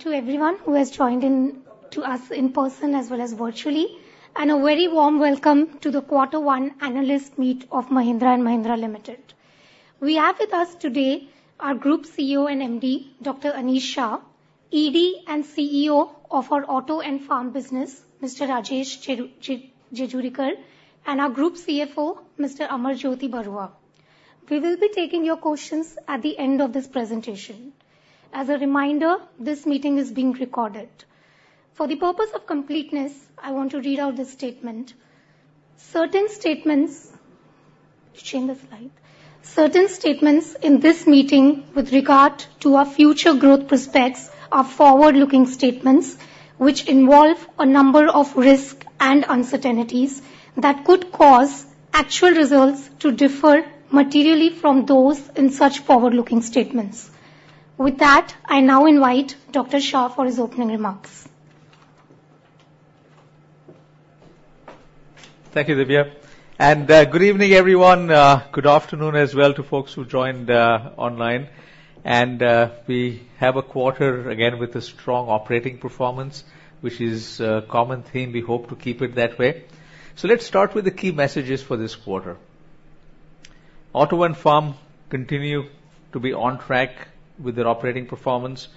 To everyone who has joined in to us in person as well as virtually, and a very warm welcome to the Quarter One Analyst Meet of Mahindra & Mahindra Limited. We have with us today our Group CEO and MD, Dr. Anish Shah, ED and CEO of our Auto and Farm business, Mr. Rajesh Jejurikar, and our Group CFO, Mr. Amarjyoti Barua. We will be taking your questions at the end of this presentation. As a reminder, this meeting is being recorded. For the purpose of completeness, I want to read out this statement. Certain statements. Change the slide. Certain statements in this meeting with regard to our future growth prospects are forward-looking statements, which involve a number of risks and uncertainties that could cause actual results to differ materially from those in such forward-looking statements. With that, I now invite Dr. Shah for his opening remarks. Thank you, Divya, and good evening, everyone. Good afternoon as well to folks who joined online. We have a quarter again with a strong operating performance, which is a common theme. We hope to keep it that way. So let's start with the key messages for this quarter. Auto and Farm continue to be on track with their operating performance.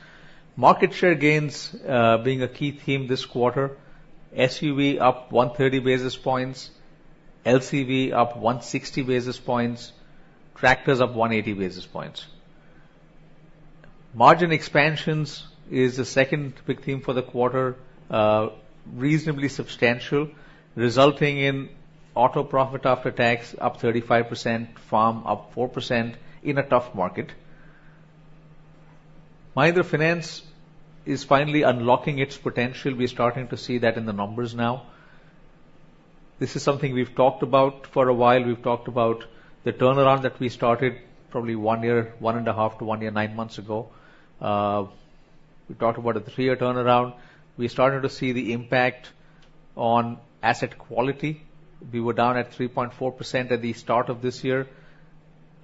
Market share gains being a key theme this quarter: SUV up 130 basis points, LCV up 160 basis points, tractors up 180 basis points. Margin expansions is the second big theme for the quarter, reasonably substantial, resulting in auto profit after tax up 35%, Farm up 4% in a tough market. Mahindra Finance is finally unlocking its potential. We're starting to see that in the numbers now. This is something we've talked about for a while. We've talked about the turnaround that we started probably one year, one and a half to one year, nine months ago. We talked about a three-year turnaround. We're starting to see the impact on asset quality. We were down at 3.4% at the start of this year.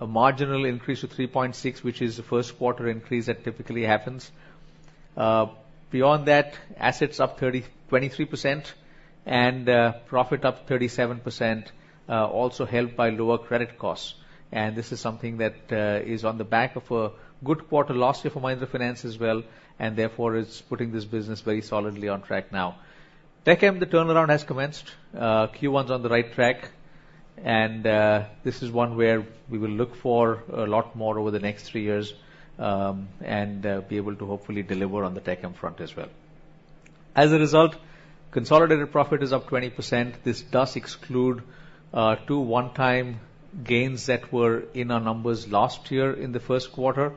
A marginal increase to 3.6%, which is the first quarter increase that typically happens. Beyond that, assets up 23% and profit up 37%, also helped by lower credit costs. This is something that is on the back of a good quarter last year for Mahindra Finance as well, and therefore, is putting this business very solidly on track now. Tech M, the turnaround has commenced. Q1's on the right track, and this is one where we will look for a lot more over the next three years, and be able to hopefully deliver on the Tech M front as well. As a result, consolidated profit is up 20%. This does exclude two one-time gains that were in our numbers last year in the first quarter,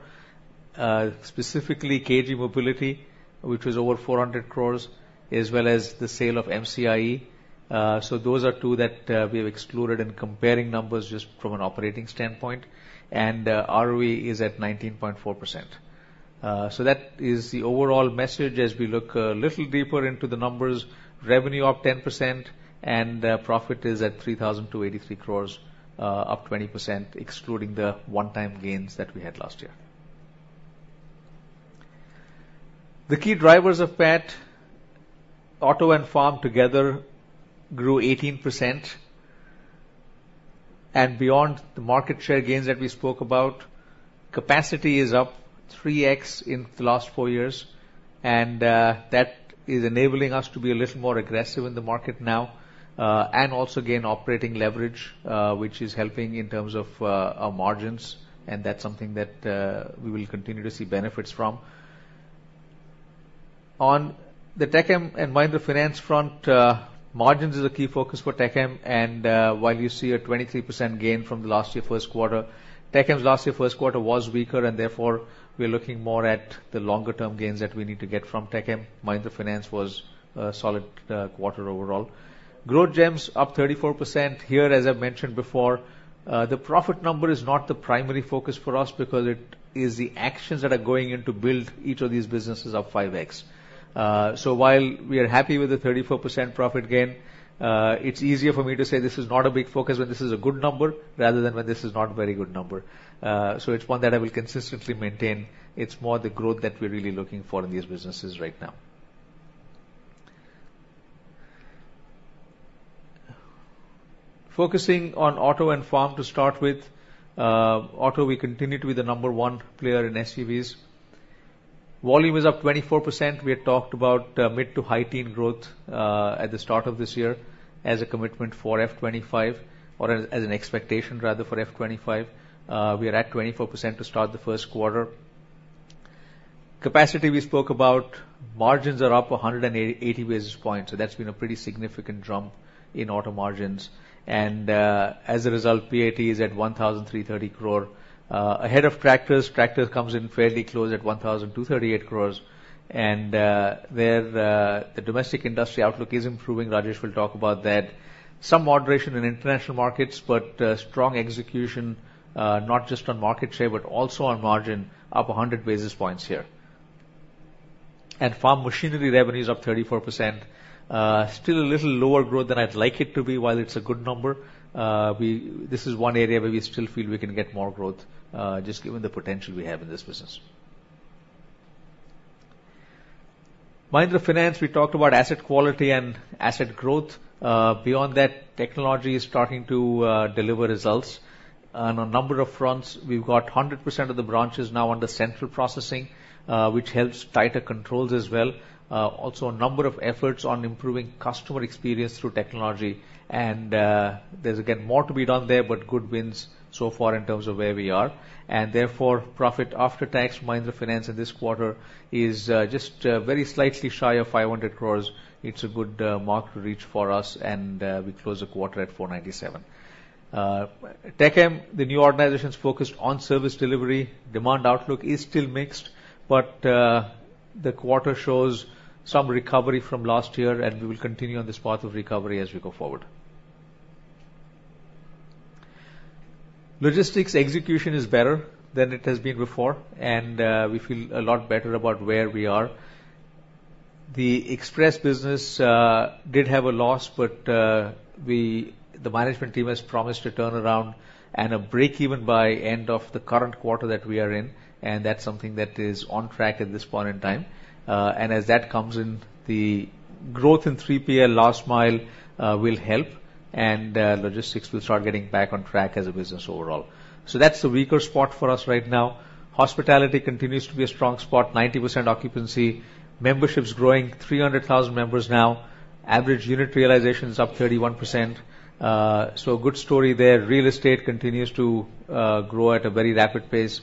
specifically KG Mobility, which was over 400 crore, as well as the sale of MCIE. So those are two that we have excluded in comparing numbers just from an operating standpoint, and ROE is at 19.4%. So that is the overall message. As we look a little deeper into the numbers, revenue up 10% and profit is at 3,283 crores, up 20%, excluding the one-time gains that we had last year. The key drivers of PAT, Auto and Farm together grew 18%. Beyond the market share gains that we spoke about, capacity is up 3x in the last four years, and that is enabling us to be a little more aggressive in the market now, and also gain operating leverage, which is helping in terms of our margins, and that's something that we will continue to see benefits from. On the Tech M and Mahindra Finance front, margins is a key focus for Tech M, and while you see a 23% gain from last year, first quarter, Tech M's last year, first quarter was weaker, and therefore, we are looking more at the longer-term gains that we need to get from Tech M. Mahindra Finance was a solid quarter overall. Growth Gems up 34%. Here, as I mentioned before, the profit number is not the primary focus for us because it is the actions that are going in to build each of these businesses up 5x. So while we are happy with the 34% profit gain, it's easier for me to say this is not a big focus, but this is a good number rather than when this is not a very good number. So it's one that I will consistently maintain. It's more the growth that we're really looking for in these businesses right now. Focusing on Auto and Farm to start with, Auto, we continue to be the number one player in SUVs. Volume is up 24%. We had talked about mid- to high-teens growth at the start of this year as a commitment for FY 2025 or as an expectation rather for FY 2025. We are at 24% to start the first quarter. Capacity we spoke about. Margins are up 180 basis points, so that's been a pretty significant jump in Auto margins. And, as a result, PAT is at 1,330 crore, ahead of tractors. Tractor comes in fairly close at 1,238 crore, and there the domestic industry outlook is improving. Rajesh will talk about that. Some moderation in international markets, but strong execution, not just on market share, but also on margin, up 100 basis points here. And Farm Machinery revenue is up 34%. Still a little lower growth than I'd like it to be, while it's a good number, we—this is one area where we still feel we can get more growth, just given the potential we have in this business. Mahindra Finance, we talked about asset quality and asset growth. Beyond that, technology is starting to deliver results on a number of fronts. We've got 100% of the branches now under central processing, which helps tighter controls as well. Also, a number of efforts on improving customer experience through technology, and, there's, again, more to be done there, but good wins so far in terms of where we are. And therefore, profit after tax, Mahindra Finance in this quarter, is, just, very slightly shy of 500 crore. It's a good, mark to reach for us, and, we close the quarter at 497 crore. Tech M, the new organization's focused on service delivery. Demand outlook is still mixed, but, the quarter shows some recovery from last year, and we will continue on this path of recovery as we go forward. Logistics execution is better than it has been before, and, we feel a lot better about where we are. The express business did have a loss, but the management team has promised to turn around and a breakeven by end of the current quarter that we are in, and that's something that is on track at this point in time. And as that comes in, the growth in 3PL last mile will help, and logistics will start getting back on track as a business overall. So that's the weaker spot for us right now. Hospitality continues to be a strong spot, 90% occupancy. Membership's growing, 300,000 members now. Average unit realization is up 31%, so a good story there. Real estate continues to grow at a very rapid pace,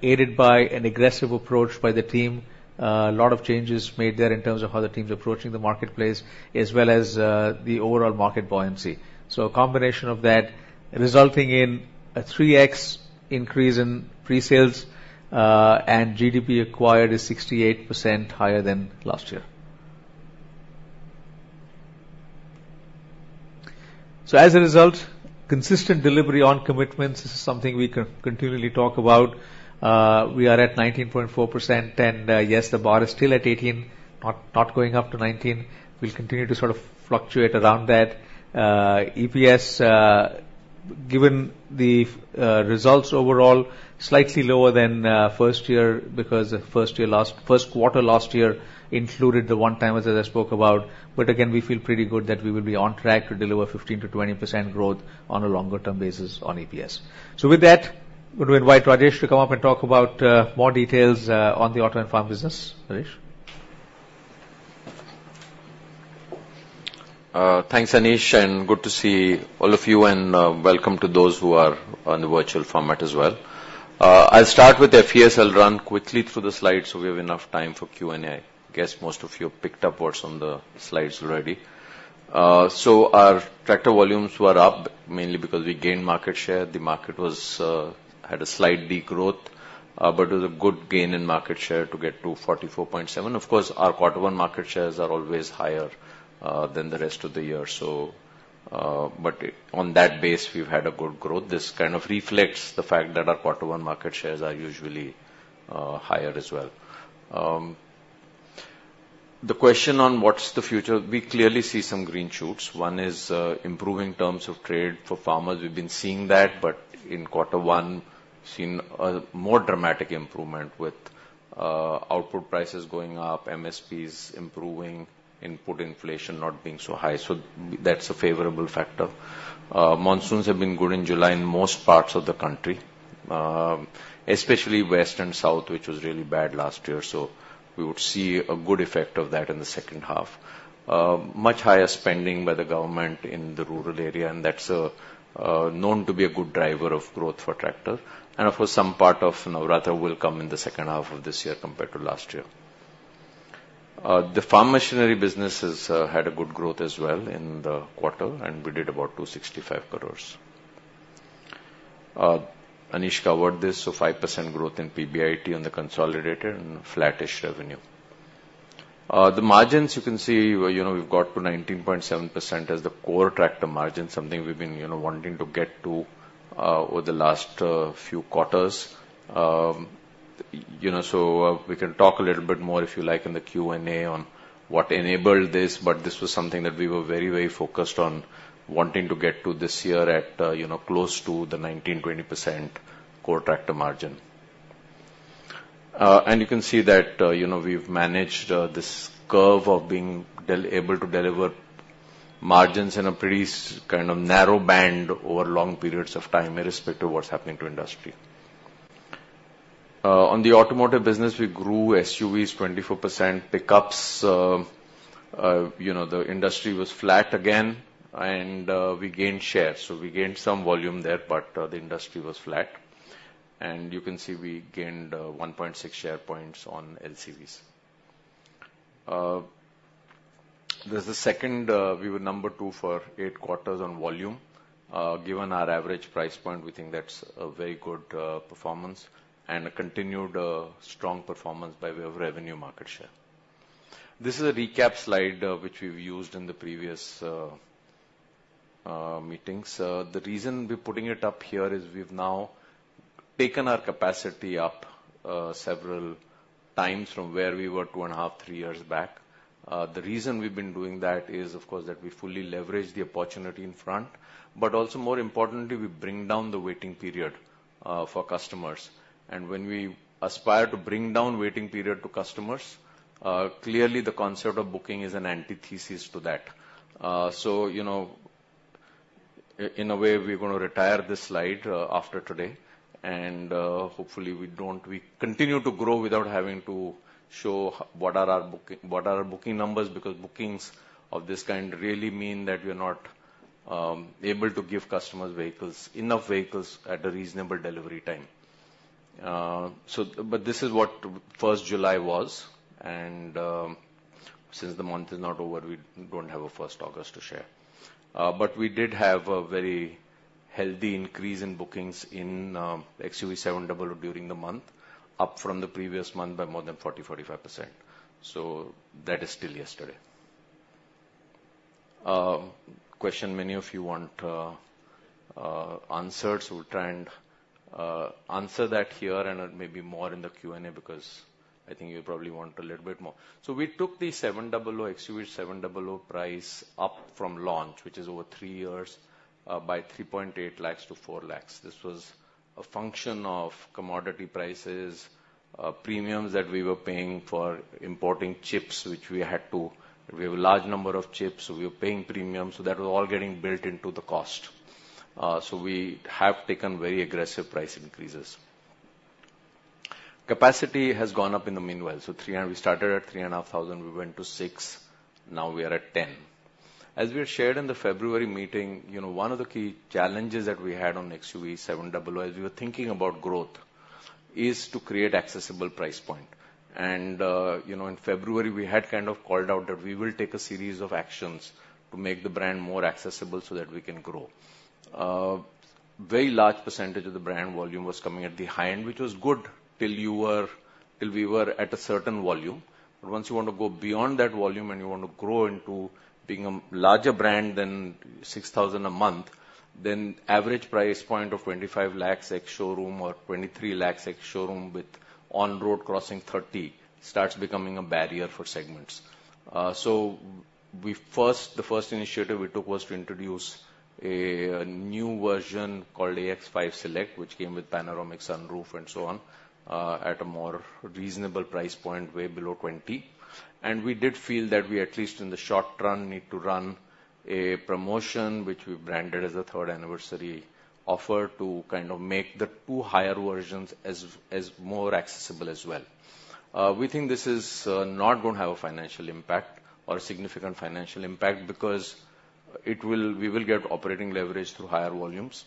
aided by an aggressive approach by the team. A lot of changes made there in terms of how the team's approaching the marketplace, as well as, the overall market buoyancy. So a combination of that resulting in a 3x increase in pre-sales, and GDP acquired is 68% higher than last year. So as a result, consistent delivery on commitments is something we can continually talk about. We are at 19.4%, and, yes, the bar is still at 18, not, not going up to 19. We'll continue to sort of fluctuate around that. EPS, given the, results overall, slightly lower than, first quarter last year, because the first quarter last year included the one-timers that I spoke about. But again, we feel pretty good that we will be on track to deliver 15%-20% growth on a longer term basis on EPS. With that, I'm going to invite Rajesh to come up and talk about more details on the auto and farm business. Rajesh? Thanks, Anish, and good to see all of you, and welcome to those who are on the virtual format as well. I'll start with FES, run quickly through the slides, so we have enough time for Q&A. I guess most of you have picked up what's on the slides already. So our tractor volumes were up, mainly because we gained market share. The market had a slight degrowth, but it was a good gain in market share to get to 44.7%. Of course, our quarter one market shares are always higher than the rest of the year, so but on that base, we've had a good growth. This kind of reflects the fact that our quarter one market shares are usually higher as well. The question on what's the future, we clearly see some green shoots. One is improving terms of trade for farmers. We've been seeing that, but in quarter one, seen a more dramatic improvement with output prices going up, MSPs improving, input inflation not being so high. So that's a favorable factor. Monsoons have been good in July in most parts of the country, especially west and south, which was really bad last year, so we would see a good effect of that in the second half. Much higher spending by the government in the rural area, and that's known to be a good driver of growth for tractor. And of course, some part of Navratri will come in the second half of this year compared to last year. The farm machinery business has had a good growth as well in the quarter, and we did about 265 crore. Anish covered this, so 5% growth in PBIT on the consolidated and flattish revenue. The margins, you can see, you know, we've got to 19.7% as the core tractor margin, something we've been, you know, wanting to get to over the last few quarters. You know, so we can talk a little bit more, if you like, in the Q&A on what enabled this, but this was something that we were very, very focused on wanting to get to this year at, you know, close to the 19-20% core tractor margin. And you can see that, you know, we've managed this curve of being able to deliver margins in a pretty sort of narrow band over long periods of time, irrespective of what's happening to industry. On the automotive business, we grew SUVs 24%, pickups, you know, the industry was flat again, and we gained share, so we gained some volume there, but the industry was flat. You can see we gained 1.6 share points on LCVs. There's the second, we were number two for 8 quarters on volume. Given our average price point, we think that's a very good performance and a continued strong performance by way of revenue market share. This is a recap slide, which we've used in the previous meetings. The reason we're putting it up here is we've now taken our capacity up several times from where we were 2.5, 3 years back. The reason we've been doing that is, of course, that we fully leverage the opportunity in front, but also, more importantly, we bring down the waiting period for customers. And when we aspire to bring down waiting period to customers, clearly, the concept of booking is an antithesis to that. So, you know, in a way, we're gonna retire this slide after today, and hopefully, we don't. We continue to grow without having to show what are our booking, what are our booking numbers, because bookings of this kind really mean that we're not able to give customers vehicles, enough vehicles, at a reasonable delivery time. So but this is what first July was, and since the month is not over, we don't have a first August to share. But we did have a very healthy increase in bookings in XUV700 during the month, up from the previous month by more than 40%-45%, so that is still yesterday. Question many of you want answered, so we'll try and answer that here and maybe more in the Q&A, because I think you probably want a little bit more. So we took the 700, XUV700 price up from launch, which is over 3 years, by 3.8 lakh to 4 lakh. This was a function of commodity prices, premiums that we were paying for importing chips, which we had to. We have a large number of chips, so we were paying premiums, so that was all getting built into the cost. So we have taken very aggressive price increases. Capacity has gone up in the meanwhile, so three and... We started at 3,500, we went to 6,000, now we are at 10,000. As we had shared in the February meeting, you know, one of the key challenges that we had on XUV700, as we were thinking about growth, is to create accessible price point. And, you know, in February, we had kind of called out that we will take a series of actions to make the brand more accessible so that we can grow. Very large percentage of the brand volume was coming at the high end, which was good till we were at a certain volume. But once you want to go beyond that volume and you want to grow into being a larger brand than 6,000 a month, then average price point of 25 lakhs ex-showroom or 23 lakhs ex-showroom, with on-road crossing 30, starts becoming a barrier for segments. So we first, the first initiative we took was to introduce a new version called AX5 Select, which came with panoramic sunroof and so on at a more reasonable price point, way below 20. And we did feel that we, at least in the short run, need to run a promotion, which we branded as a third anniversary offer, to kind of make the two higher versions as more accessible as well. We think this is not gonna have a financial impact or a significant financial impact because it will... We will get operating leverage through higher volumes,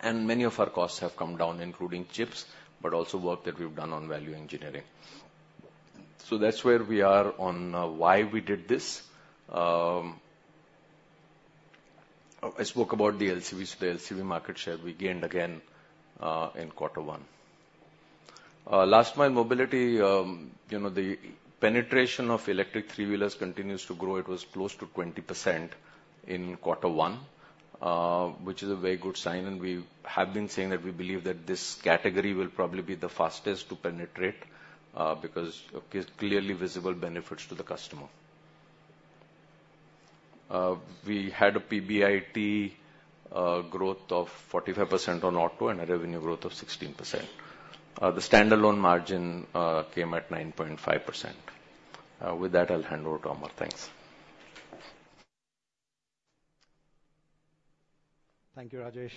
and many of our costs have come down, including chips, but also work that we've done on value engineering. So that's where we are on why we did this. I spoke about the LCVs. The LCV market share we gained again in quarter one. Last mile mobility, you know, the penetration of electric three-wheelers continues to grow. It was close to 20% in quarter one, which is a very good sign, and we have been saying that we believe that this category will probably be the fastest to penetrate because of its clearly visible benefits to the customer. We had a PBIT growth of 45% on auto and a revenue growth of 16%. The standalone margin came at 9.5%. With that, I'll hand over to Amar. Thanks. Thank you, Rajesh.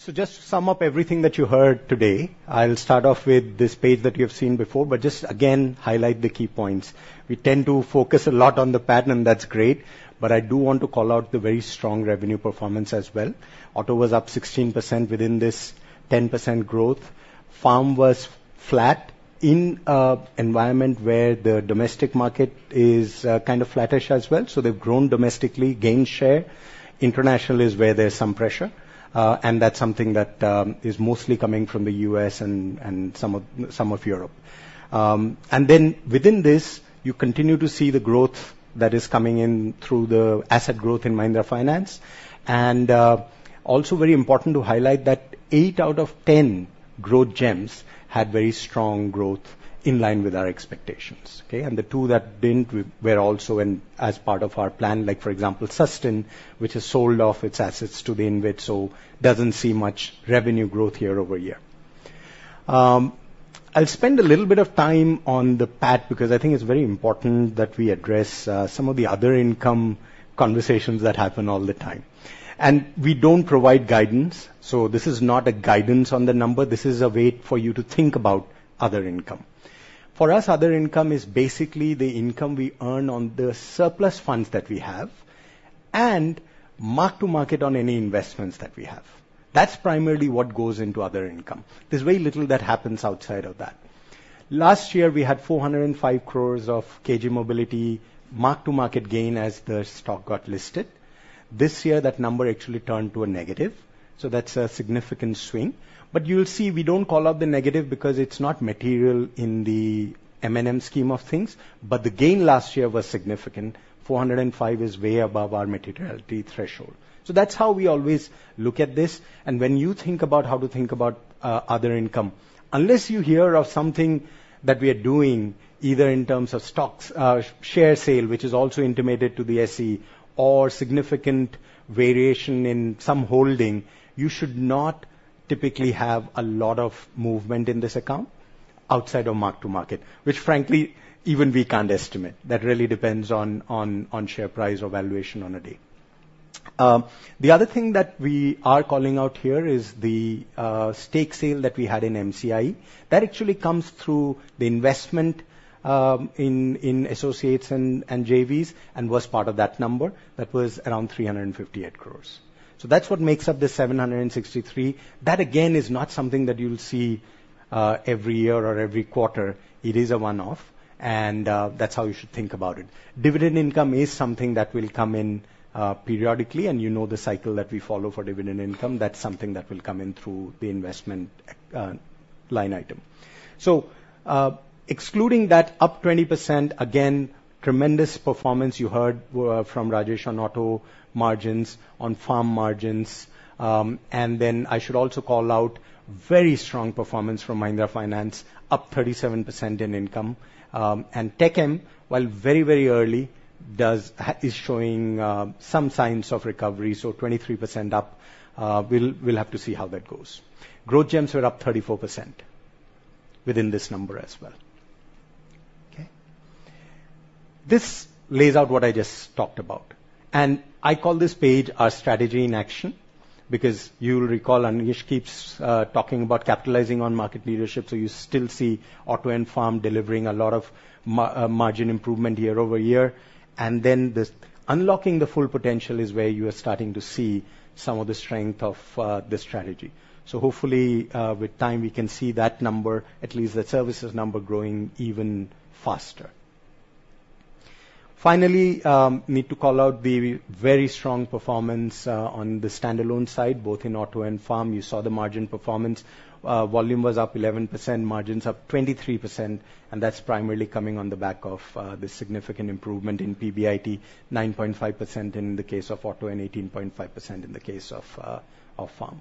So just to sum up everything that you heard today, I'll start off with this page that you've seen before, but just again, highlight the key points. We tend to focus a lot on the PAT, and that's great, but I do want to call out the very strong revenue performance as well. Auto was up 16% within this 10% growth. Farm was flat in a environment where the domestic market is, kind of flattish as well, so they've grown domestically, gained share. International is where there's some pressure, and that's something that, is mostly coming from the U.S. and, and some of, some of Europe. And then within this, you continue to see the growth that is coming in through the asset growth in Mahindra Finance. Also very important to highlight that eight out of Growth Gems had very strong growth in line with our expectations, okay? The two that didn't were also in as part of our plan, like, for example, Susten, which has sold off its assets to the InvIT, so doesn't see much revenue growth year-over-year. I'll spend a little bit of time on the PAT, because I think it's very important that we address some of the other income conversations that happen all the time. And we don't provide guidance, so this is not a guidance on the number. This is a way for you to think about other income. For us, other income is basically the income we earn on the surplus funds that we have and mark-to-market on any investments that we have. That's primarily what goes into other income. There's very little that happens outside of that. Last year, we had 405 crore of KG Mobility mark-to-market gain as the stock got listed. This year, that number actually turned to a negative, so that's a significant swing. But you will see, we don't call out the negative because it's not material in the M&M scheme of things. But the gain last year was significant. 405 crore is way above our materiality threshold. So that's how we always look at this, and when you think about how to think about other income. Unless you hear of something that we are doing, either in terms of stocks, share sale, which is also intimated to the SEs, or significant variation in some holding, you should not typically have a lot of movement in this account outside of mark-to-market. Which, frankly, even we can't estimate. That really depends on share price or valuation on a day. The other thing that we are calling out here is the stake sale that we had in MCIE. That actually comes through the investment in associates and JVs, and was part of that number. That was around 358 crore. So that's what makes up the 763 crore. That, again, is not something that you will see every year or every quarter. It is a one-off, and that's how you should think about it. Dividend income is something that will come in periodically, and you know the cycle that we follow for dividend income. That's something that will come in through the investment line item. So, excluding that up 20%, again, tremendous performance you heard, from Rajesh on auto margins, on farm margins. And then I should also call out very strong performance from Mahindra Finance, up 37% in income. And Tech M, while very, very early, does is showing, some signs of recovery, so 23% up. We'll, we'll have to see how that goes. Growth Gems were up 34% within this number as well. Okay? This lays out what I just talked about, and I call this page our strategy in action, because you'll recall, Anish keeps, talking about capitalizing on market leadership, so you still see auto and farm delivering a lot of margin improvement year-over-year. And then this unlocking the full potential is where you are starting to see some of the strength of, the strategy. So hopefully, with time, we can see that number, at least the services number, growing even faster. Finally, need to call out the very strong performance, on the standalone side, both in auto and farm. You saw the margin performance. Volume was up 11%, margins up 23%, and that's primarily coming on the back of, the significant improvement in PBIT, 9.5% in the case of auto, and 18.5% in the case of farm.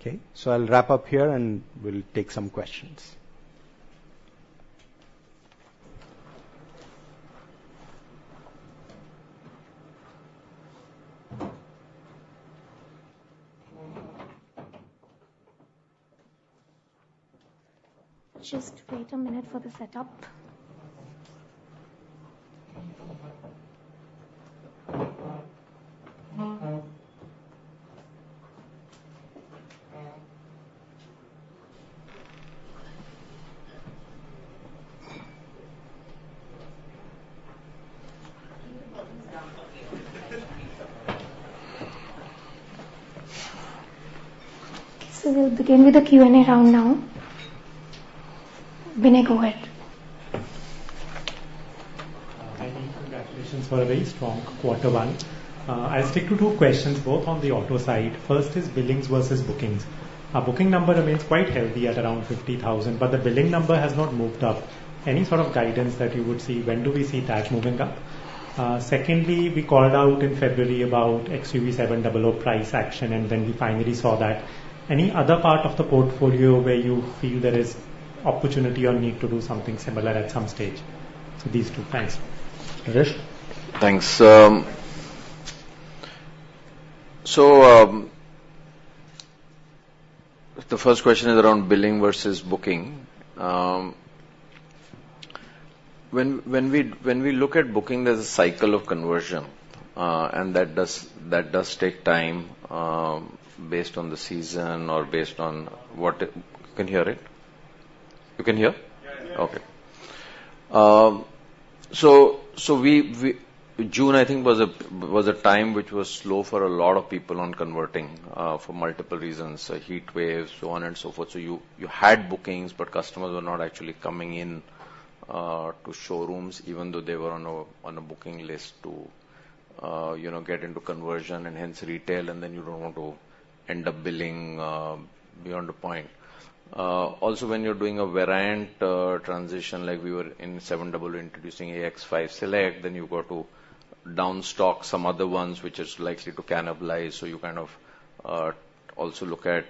Okay? So I'll wrap up here, and we'll take some questions. Just wait a minute for the setup. We'll begin with the Q&A round now. Binay, go ahead. Hi, congratulations for a very strong quarter one. I'll stick to two questions, both on the auto side. First is billings versus bookings. Our booking number remains quite healthy at around 50,000, but the billing number has not moved up. Any sort of guidance that you would see? When do we see that moving up? Secondly, we called out in February about XUV700 price action, and then we finally saw that. Any other part of the portfolio where you feel there is opportunity or need to do something similar at some stage? So these two. Thanks. Rajesh? Thanks. The first question is around billing versus booking. When we look at booking, there's a cycle of conversion, and that does take time, based on the season or based on what... You can hear it? You can hear? Yeah, yeah. Okay. June, I think, was a time which was slow for a lot of people on converting, for multiple reasons, heatwaves, so on and so forth. So you had bookings, but customers were not actually coming in to showrooms, even though they were on a booking list to, you know, get into conversion and hence retail, and then you don't want to end up billing beyond a point. Also, when you're doing a variant transition, like we were in 700 introducing AX5 Select, then you've got to down stock some other ones, which is likely to cannibalize. So you kind of also look at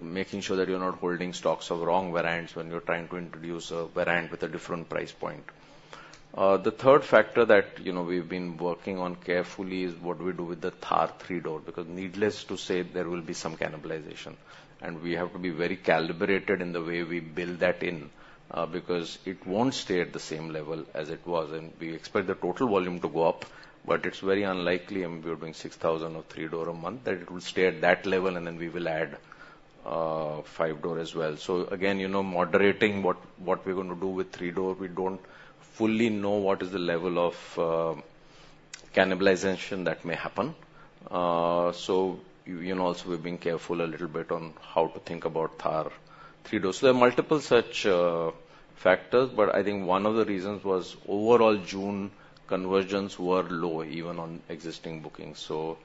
making sure that you're not holding stocks of wrong variants when you're trying to introduce a variant with a different price point. The third factor that, you know, we've been working on carefully is what we do with the Thar three-door, because needless to say, there will be some cannibalization. And we have to be very calibrated in the way we build that in, because it won't stay at the same level as it was. And we expect the total volume to go up, but it's very unlikely, and we're doing 6,000 of three-door a month, that it will stay at that level, and then we will add five-door as well. So again, you know, moderating what, what we're going to do with three-door, we don't fully know what is the level of cannibalization that may happen. So you, you know, also we're being careful a little bit on how to think about Thar three-door. So there are multiple such factors, but I think one of the reasons was overall June conversions were low, even on existing bookings. So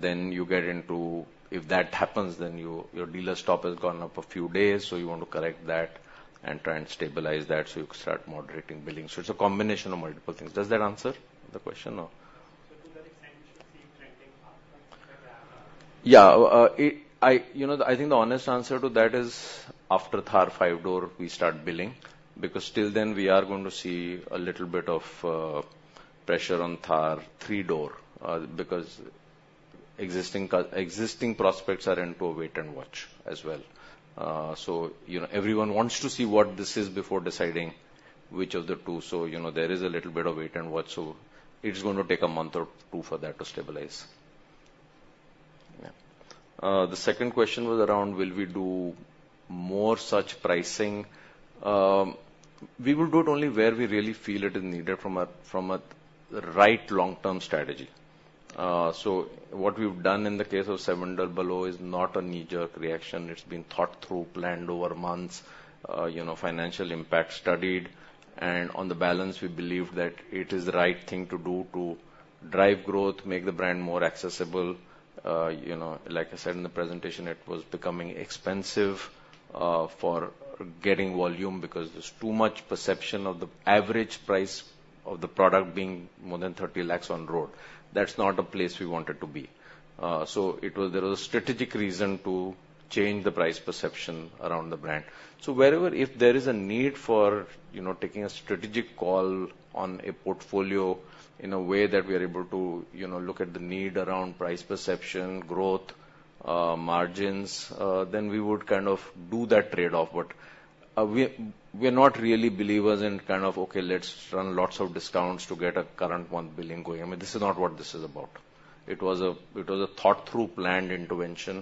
then you get into if that happens, then you, your dealer stock has gone up a few days, so you want to correct that and try and stabilize that, so you can start moderating billing. So it's a combination of multiple things. Does that answer the question, or? So to that extent, you should see trending up from here? Yeah. I, you know, I think the honest answer to that is after Thar five-door, we start billing, because till then, we are going to see a little bit of pressure on Thar three-door, because existing prospects are into a wait-and-watch as well. So, you know, everyone wants to see what this is before deciding which of the two, so, you know, there is a little bit of wait-and-watch, so it's going to take a month or two for that to stabilize. Yeah. The second question was around, will we do more such pricing? We will do it only where we really feel it is needed from a right long-term strategy. So what we've done in the case of Seven Double O is not a knee-jerk reaction. It's been thought through, planned over months, you know, financial impact studied. On the balance, we believe that it is the right thing to do to drive growth, make the brand more accessible. You know, like I said in the presentation, it was becoming expensive, for getting volume because there's too much perception of the average price of the product being more than 30 lakh on road. That's not a place we wanted to be. So it was, there was a strategic reason to change the price perception around the brand. So wherever if there is a need for, you know, taking a strategic call on a portfolio in a way that we are able to, you know, look at the need around price perception, growth, margins, then we would kind of do that trade-off. But we’re not really believers in kind of, okay, let’s run lots of discounts to get a current month billing going. I mean, this is not what this is about. It was a thought-through, planned intervention,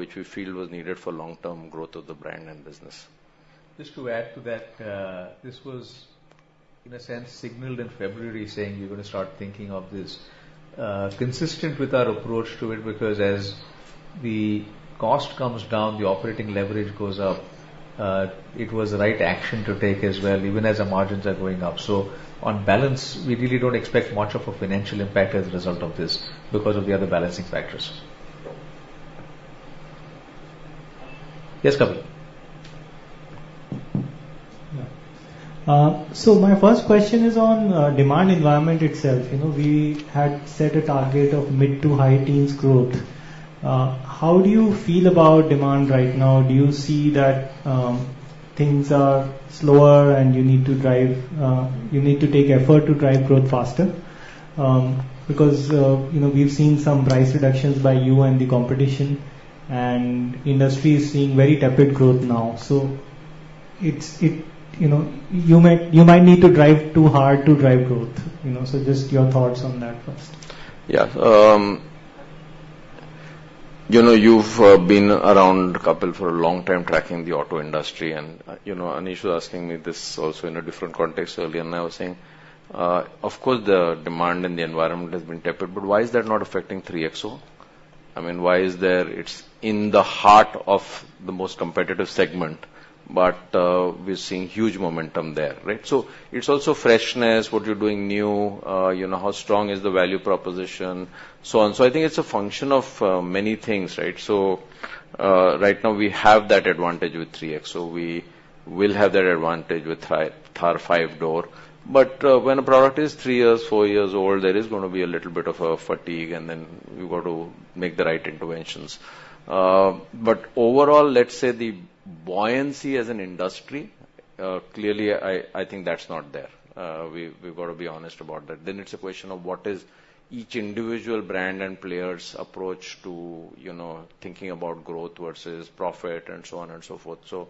which we feel was needed for long-term growth of the brand and business. Just to add to that, this was, in a sense, signaled in February, saying we're going to start thinking of this, consistent with our approach to it, because as the cost comes down, the operating leverage goes up. It was the right action to take as well, even as the margins are going up. So on balance, we really don't expect much of a financial impact as a result of this because of the other balancing factors. Yes, Kapil? Yeah. So my first question is on demand environment itself. You know, we had set a target of mid to high teens growth. How do you feel about demand right now? Do you see that things are slower and you need to drive, you need to take effort to drive growth faster? Because, you know, we've seen some price reductions by you and the competition, and industry is seeing very tepid growth now. So it's. You know, you might, you might need to drive too hard to drive growth, you know? So just your thoughts on that first. Yeah. You know, you've been around, Kapil, for a long time tracking the auto industry, and, you know, Anish was asking me this also in a different context earlier, and I was saying, of course, the demand in the environment has been tepid, but why is that not affecting 3XO? I mean, why is there? It's in the heart of the most competitive segment, but, we're seeing huge momentum there, right? So it's also freshness, what you're doing new, you know, how strong is the value proposition, so on. So I think it's a function of, many things, right? So, right now, we have that advantage with 3XO. We will have that advantage with Thar, Thar five-door. When a product is three years, four years old, there is going to be a little bit of a fatigue, and then we've got to make the right interventions. But overall, let's say the buoyancy as an industry, clearly, I, I think that's not there. We've got to be honest about that. Then it's a question of what is each individual brand and player's approach to, you know, thinking about growth versus profit and so on and so forth. So,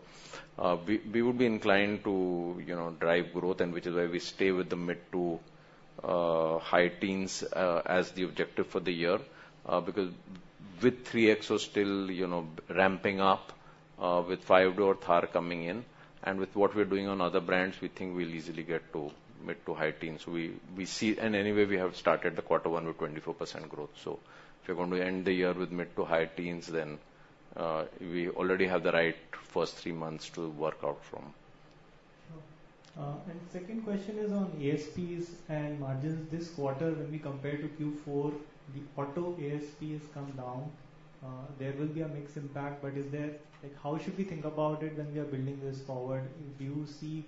we would be inclined to, you know, drive growth and which is why we stay with the mid to high teens as the objective for the year. Because with 3XO still, you know, ramping up, with five-door Thar coming in, and with what we're doing on other brands, we think we'll easily get to mid to high teens. We see. Anyway, we have started the quarter one with 24% growth. So if we're going to end the year with mid- to high-teens, then we already have the right first three months to work out from. Sure. And second question is on ASPs and margins. This quarter, when we compare to Q4, the auto ASP has come down. There will be a mix impact, but is there. Like, how should we think about it when we are building this forward? Do you see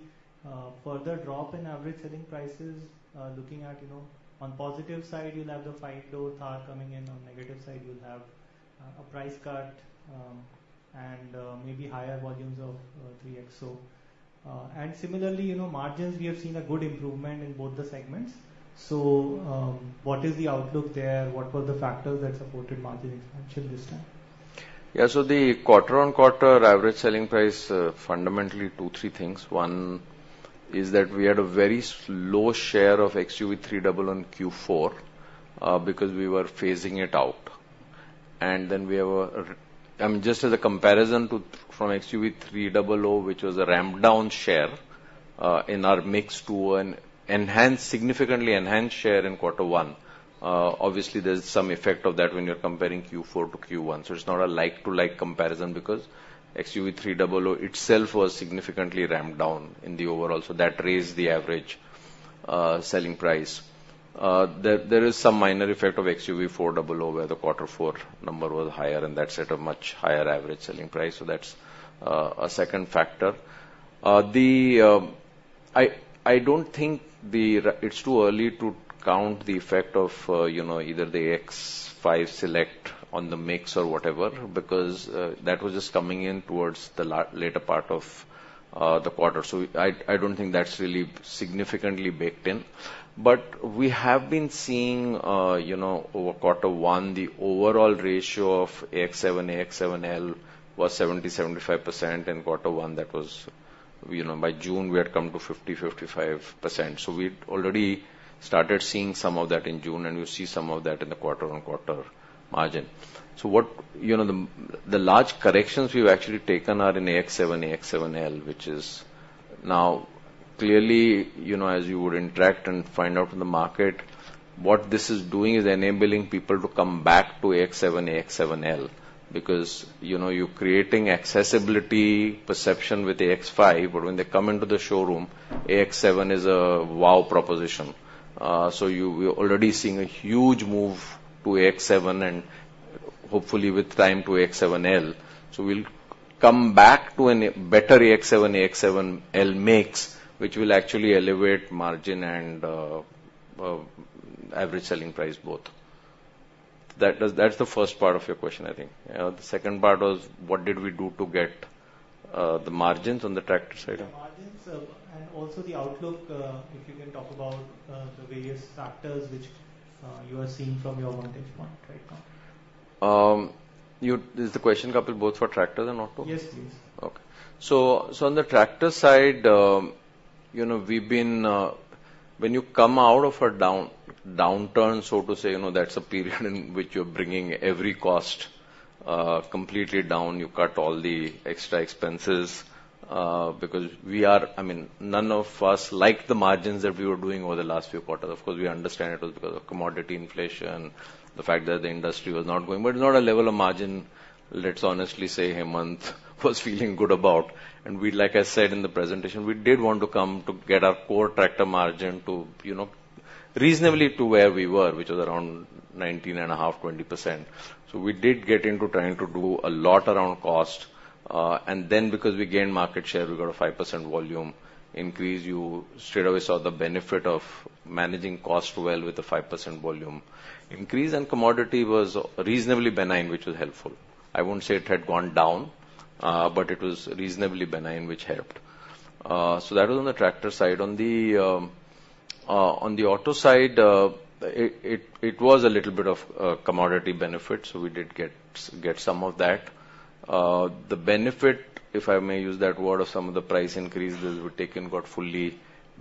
further drop in average selling prices? Looking at, you know, on positive side, you'll have the five-door Thar coming in. On negative side, you'll have a price cut, and maybe higher volumes of 3XO. And similarly, you know, margins, we have seen a good improvement in both the segments. So, what is the outlook there? What were the factors that supported margin expansion this time? Yeah, so the quarter-on-quarter average selling price, fundamentally two, three things. One is that we had a very slow share of XUV300 in Q4, because we were phasing it out. And then we have a, just as a comparison to, from XUV300, which was a ramped down share, in our mix to an enhanced, significantly enhanced share in quarter one. Obviously, there's some effect of that when you're comparing Q4 to Q1. So it's not a like-to-like comparison, because XUV300 itself was significantly ramped down in the overall, so that raised the average, selling price. There, there is some minor effect of XUV400, where the quarter four number was higher, and that set a much higher average selling price, so that's, a second factor. I don't think it's too early to count the effect of, you know, either the AX5 Select on the mix or whatever, because that was just coming in towards the later part of the quarter. So I don't think that's really significantly baked in. But we have been seeing, you know, over quarter one, the overall ratio of AX7, AX7 L was 70%-75%, in quarter one that was. You know, by June, we had come to 50%-55%. So we'd already started seeing some of that in June, and you'll see some of that in the quarter-on-quarter margin. So, you know, the large corrections we've actually taken are in the AX7, AX7 L, which is now clearly, you know, as you would interact and find out from the market, what this is doing is enabling people to come back to AX7, AX7 L. Because, you know, you're creating accessibility perception with the AX5, but when they come into the showroom, AX7 is a wow proposition. So, we're already seeing a huge move to AX7 and hopefully, with time, to AX7 L. So we'll come back to a better AX7, AX7 L mix, which will actually elevate margin and average selling price both. That's the first part of your question, I think. The second part was, what did we do to get the margins on the tractor side? The margins, and also the outlook, if you can talk about the various factors which you are seeing from your vantage point right now. Is the question, Kapil, both for tractor and auto? Yes, please. Okay. So on the tractor side, you know, we've been. When you come out of a downturn, so to say, you know, that's a period in which you're bringing every cost completely down. You cut all the extra expenses because we are- I mean, none of us like the margins that we were doing over the last few quarters. Of course, we understand it was because of commodity inflation, the fact that the industry was not going, but it's not a level of margin, let's honestly say, Hemant, was feeling good about. And we'd like I said in the presentation, we did want to come to get our core tractor margin to, you know, reasonably to where we were, which was around 19.5%-20%. So we did get into trying to do a lot around cost. Because we gained market share, we got a 5% volume increase. You straightaway saw the benefit of managing cost well with the 5% volume increase, and commodity was reasonably benign, which was helpful. I won't say it had gone down, but it was reasonably benign, which helped. So that was on the tractor side. On the auto side, it was a little bit of commodity benefit, so we did get some of that. The benefit, if I may use that word, of some of the price increases we've taken, got fully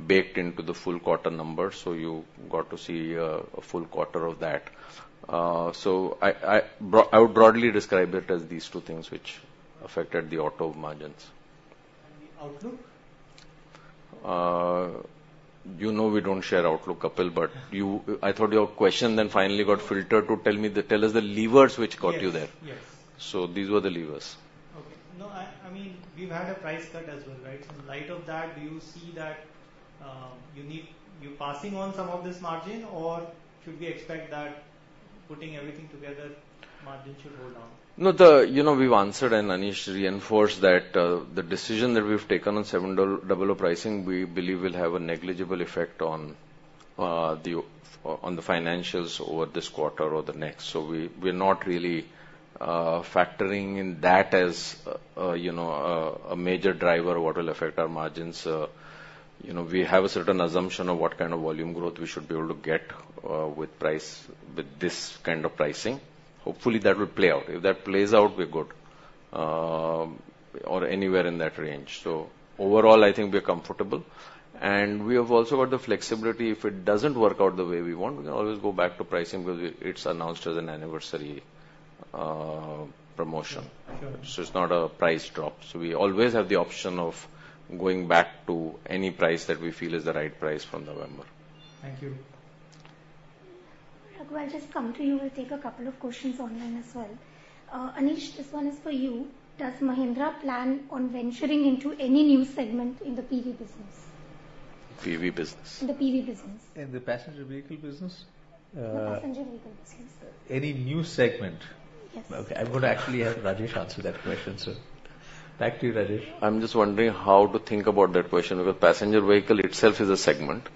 baked into the full quarter numbers, so you got to see a full quarter of that. So I would broadly describe it as these two things which affected the auto margins. The outlook? You know we don't share outlook, Kapil, but You, I thought your question then finally got filtered to tell us the levers which got you there. These were the levers. Okay. No, I mean, you've had a price cut as well, right? So in light of that, do you see that you're passing on some of this margin, or should we expect that putting everything together, margin should go down? No. You know, we've answered, and Anish reinforced that, the decision that we've taken Seven Double O pricing, we believe will have a negligible effect on the financials over this quarter or the next. So we're not really factoring in that as a, you know, a major driver what will affect our margins. You know, we have a certain assumption of what kind of volume growth we should be able to get with this kind of pricing. Hopefully, that will play out. If that plays out, we're good or anywhere in that range. So overall, I think we're comfortable. And we have also got the flexibility, if it doesn't work out the way we want, we can always go back to pricing because it's announced as an anniversary promotion. It's not a price drop. So we always have the option of going back to any price that we feel is the right price from November. Thank you. Raghu, I'll just come to you. We'll take a couple of questions online as well. Anish, this one is for you: Does Mahindra plan on venturing into any new segment in the PV business? PV business? In the PV business. In the passenger vehicle business? The passenger vehicle business. Any new segment? Yes. Okay. I'm gonna actually have Rajesh answer that question, so back to you, Rajesh. I'm just wondering how to think about that question, because passenger vehicle itself is a segment.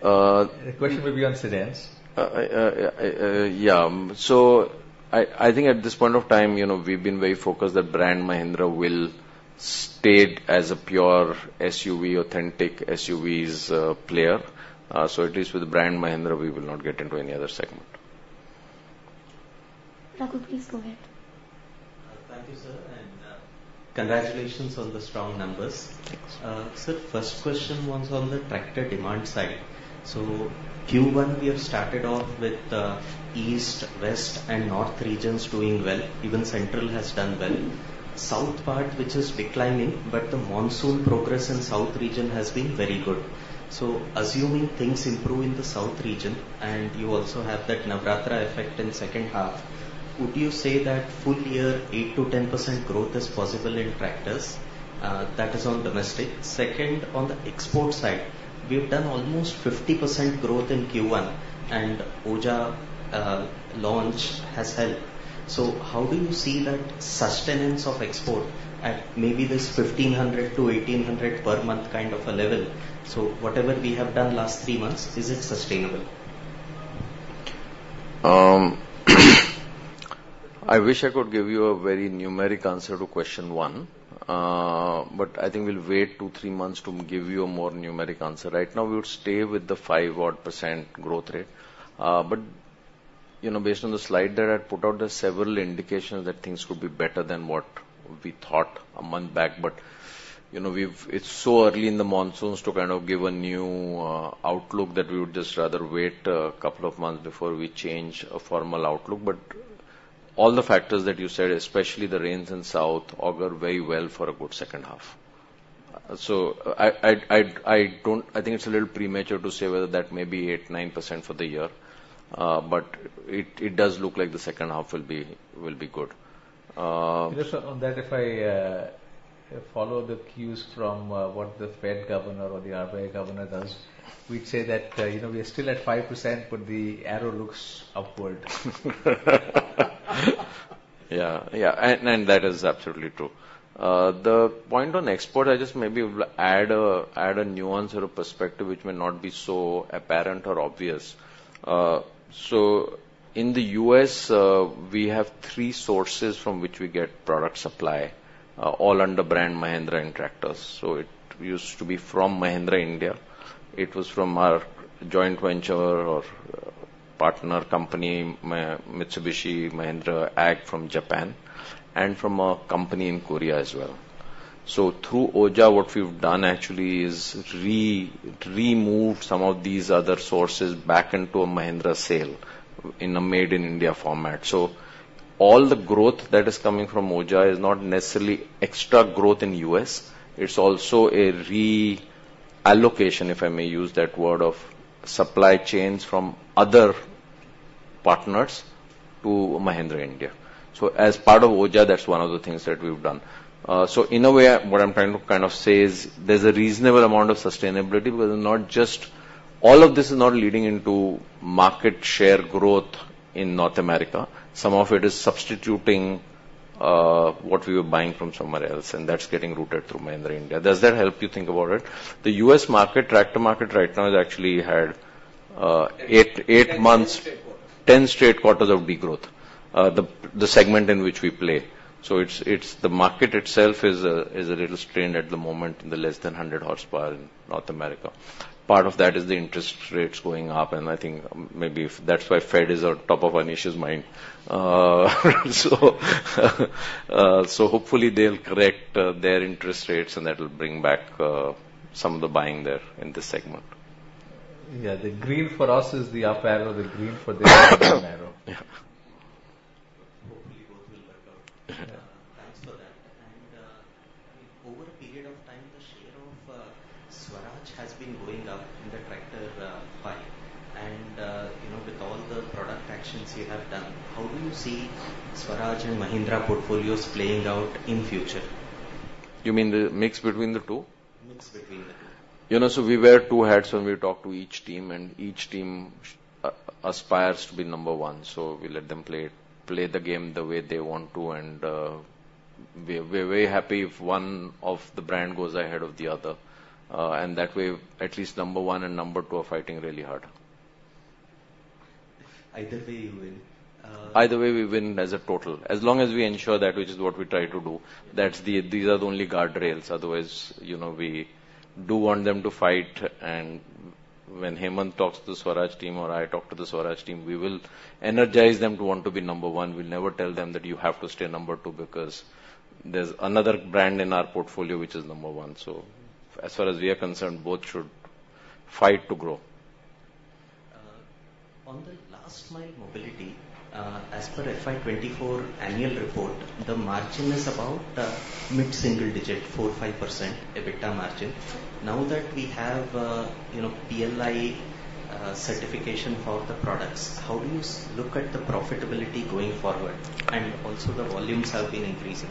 The question will be on sedans. Yeah. So I think at this point of time, you know, we've been very focused that brand Mahindra will stay as a pure SUV, authentic SUVs, player. So at least with the brand Mahindra, we will not get into any other segment. Raghu, please go ahead. Thank you, sir, and congratulations on the strong numbers. Sir, first question was on the tractor demand side. So Q1, we have started off with, east, west, and north regions doing well, even central has done well. South part, which is declining, but the monsoon progress in south region has been very good. So assuming things improve in the south region, and you also have that Navratri effect in second half, would you say that full year, 8%-10% growth is possible in tractors? That is on domestic. Second, on the export side, we have done almost 50% growth in Q1, and OJA launch has helped. So how do you see that sustenance of export at maybe this 1,500-1,800 per month kind of a level? So whatever we have done last three months, is it sustainable? I wish I could give you a very numeric answer to question one. But I think we'll wait 2-3 months to give you a more numeric answer. Right now, we would stay with the 5-odd percent growth rate. But, you know, based on the slide that I put out, there are several indications that things could be better than what we thought a month back. But, you know, it's so early in the monsoons to kind of give a new outlook, that we would just rather wait a couple of months before we change a formal outlook. But all the factors that you said, especially the rains in south, augur very well for a good second half. So I don't think it's a little premature to say whether that may be 8%-9% for the year, but it does look like the second half will be good. Just on that, if I follow the cues from what the Fed governor or the RBI governor does, we'd say that, you know, we are still at 5%, but the arrow looks upward. Yeah. Yeah, and that is absolutely true. The point on export, I just maybe would add a nuance or a perspective which may not be so apparent or obvious. So in the U.S., we have three sources from which we get product supply, all under brand Mahindra and Tractors. So it used to be from Mahindra, India. It was from our joint venture or partner company, Mitsubishi Mahindra Ag from Japan, and from a company in Korea as well. So through OJA, what we've done actually is removed some of these other sources back into a Mahindra sale, in a made in India format. So all the growth that is coming from OJA is not necessarily extra growth in U.S., it's also a reallocation, if I may use that word, of supply chains from other partners to Mahindra, India. So as part of OJA, that's one of the things that we've done. So in a way, what I'm trying to kind of say is, there's a reasonable amount of sustainability, but not just. All of this is not leading into market share growth in North America. Some of it is substituting what we were buying from somewhere else, and that's getting rooted through Mahindra, India. Does that help you think about it? The U.S. market, tractor market right now, has actually had 8, 8 months- 10 straight quarters. 10 straight quarters of degrowth, the segment in which we play. So it's the market itself is a little strained at the moment in the less than 100 horsepower in North America. Part of that is the interest rates going up, and I think maybe that's why Fed is on top of Anish's mind. So hopefully, they'll correct their interest rates, and that will bring back some of the buying there in this segment. Yeah, the green for us is the up arrow, the green for them, down arrow. Yeah. Hopefully, both will work out. Thanks for that. Over a period of time, the share of Swaraj has been going up in the tractor pie. You know, with all the product actions you have done, how do you see Swaraj and Mahindra portfolios playing out in future? You mean the mix between the two? Mix between the two. You know, so we wear two hats when we talk to each team, and each team aspires to be number one, so we let them play, play the game the way they want to, and we're very happy if one of the brand goes ahead of the other. And that way, at least number one and number two are fighting really hard. Either way, you win. Either way, we win as a total. As long as we ensure that, which is what we try to do, that's the. These are the only guardrails. Otherwise, you know, we do want them to fight, and when Hemant talks to the Swaraj team or I talk to the Swaraj team, we will energize them to want to be number one. We'll never tell them that you have to stay number two because there's another brand in our portfolio, which is number one. So as far as we are concerned, both should fight to grow. On the last mile mobility, as per FY 2024 annual report, the margin is about mid-single digit, 4%-5% EBITDA margin. Now that we have, you know, PLI certification for the products, how do you look at the profitability going forward? And also, the volumes have been increasing.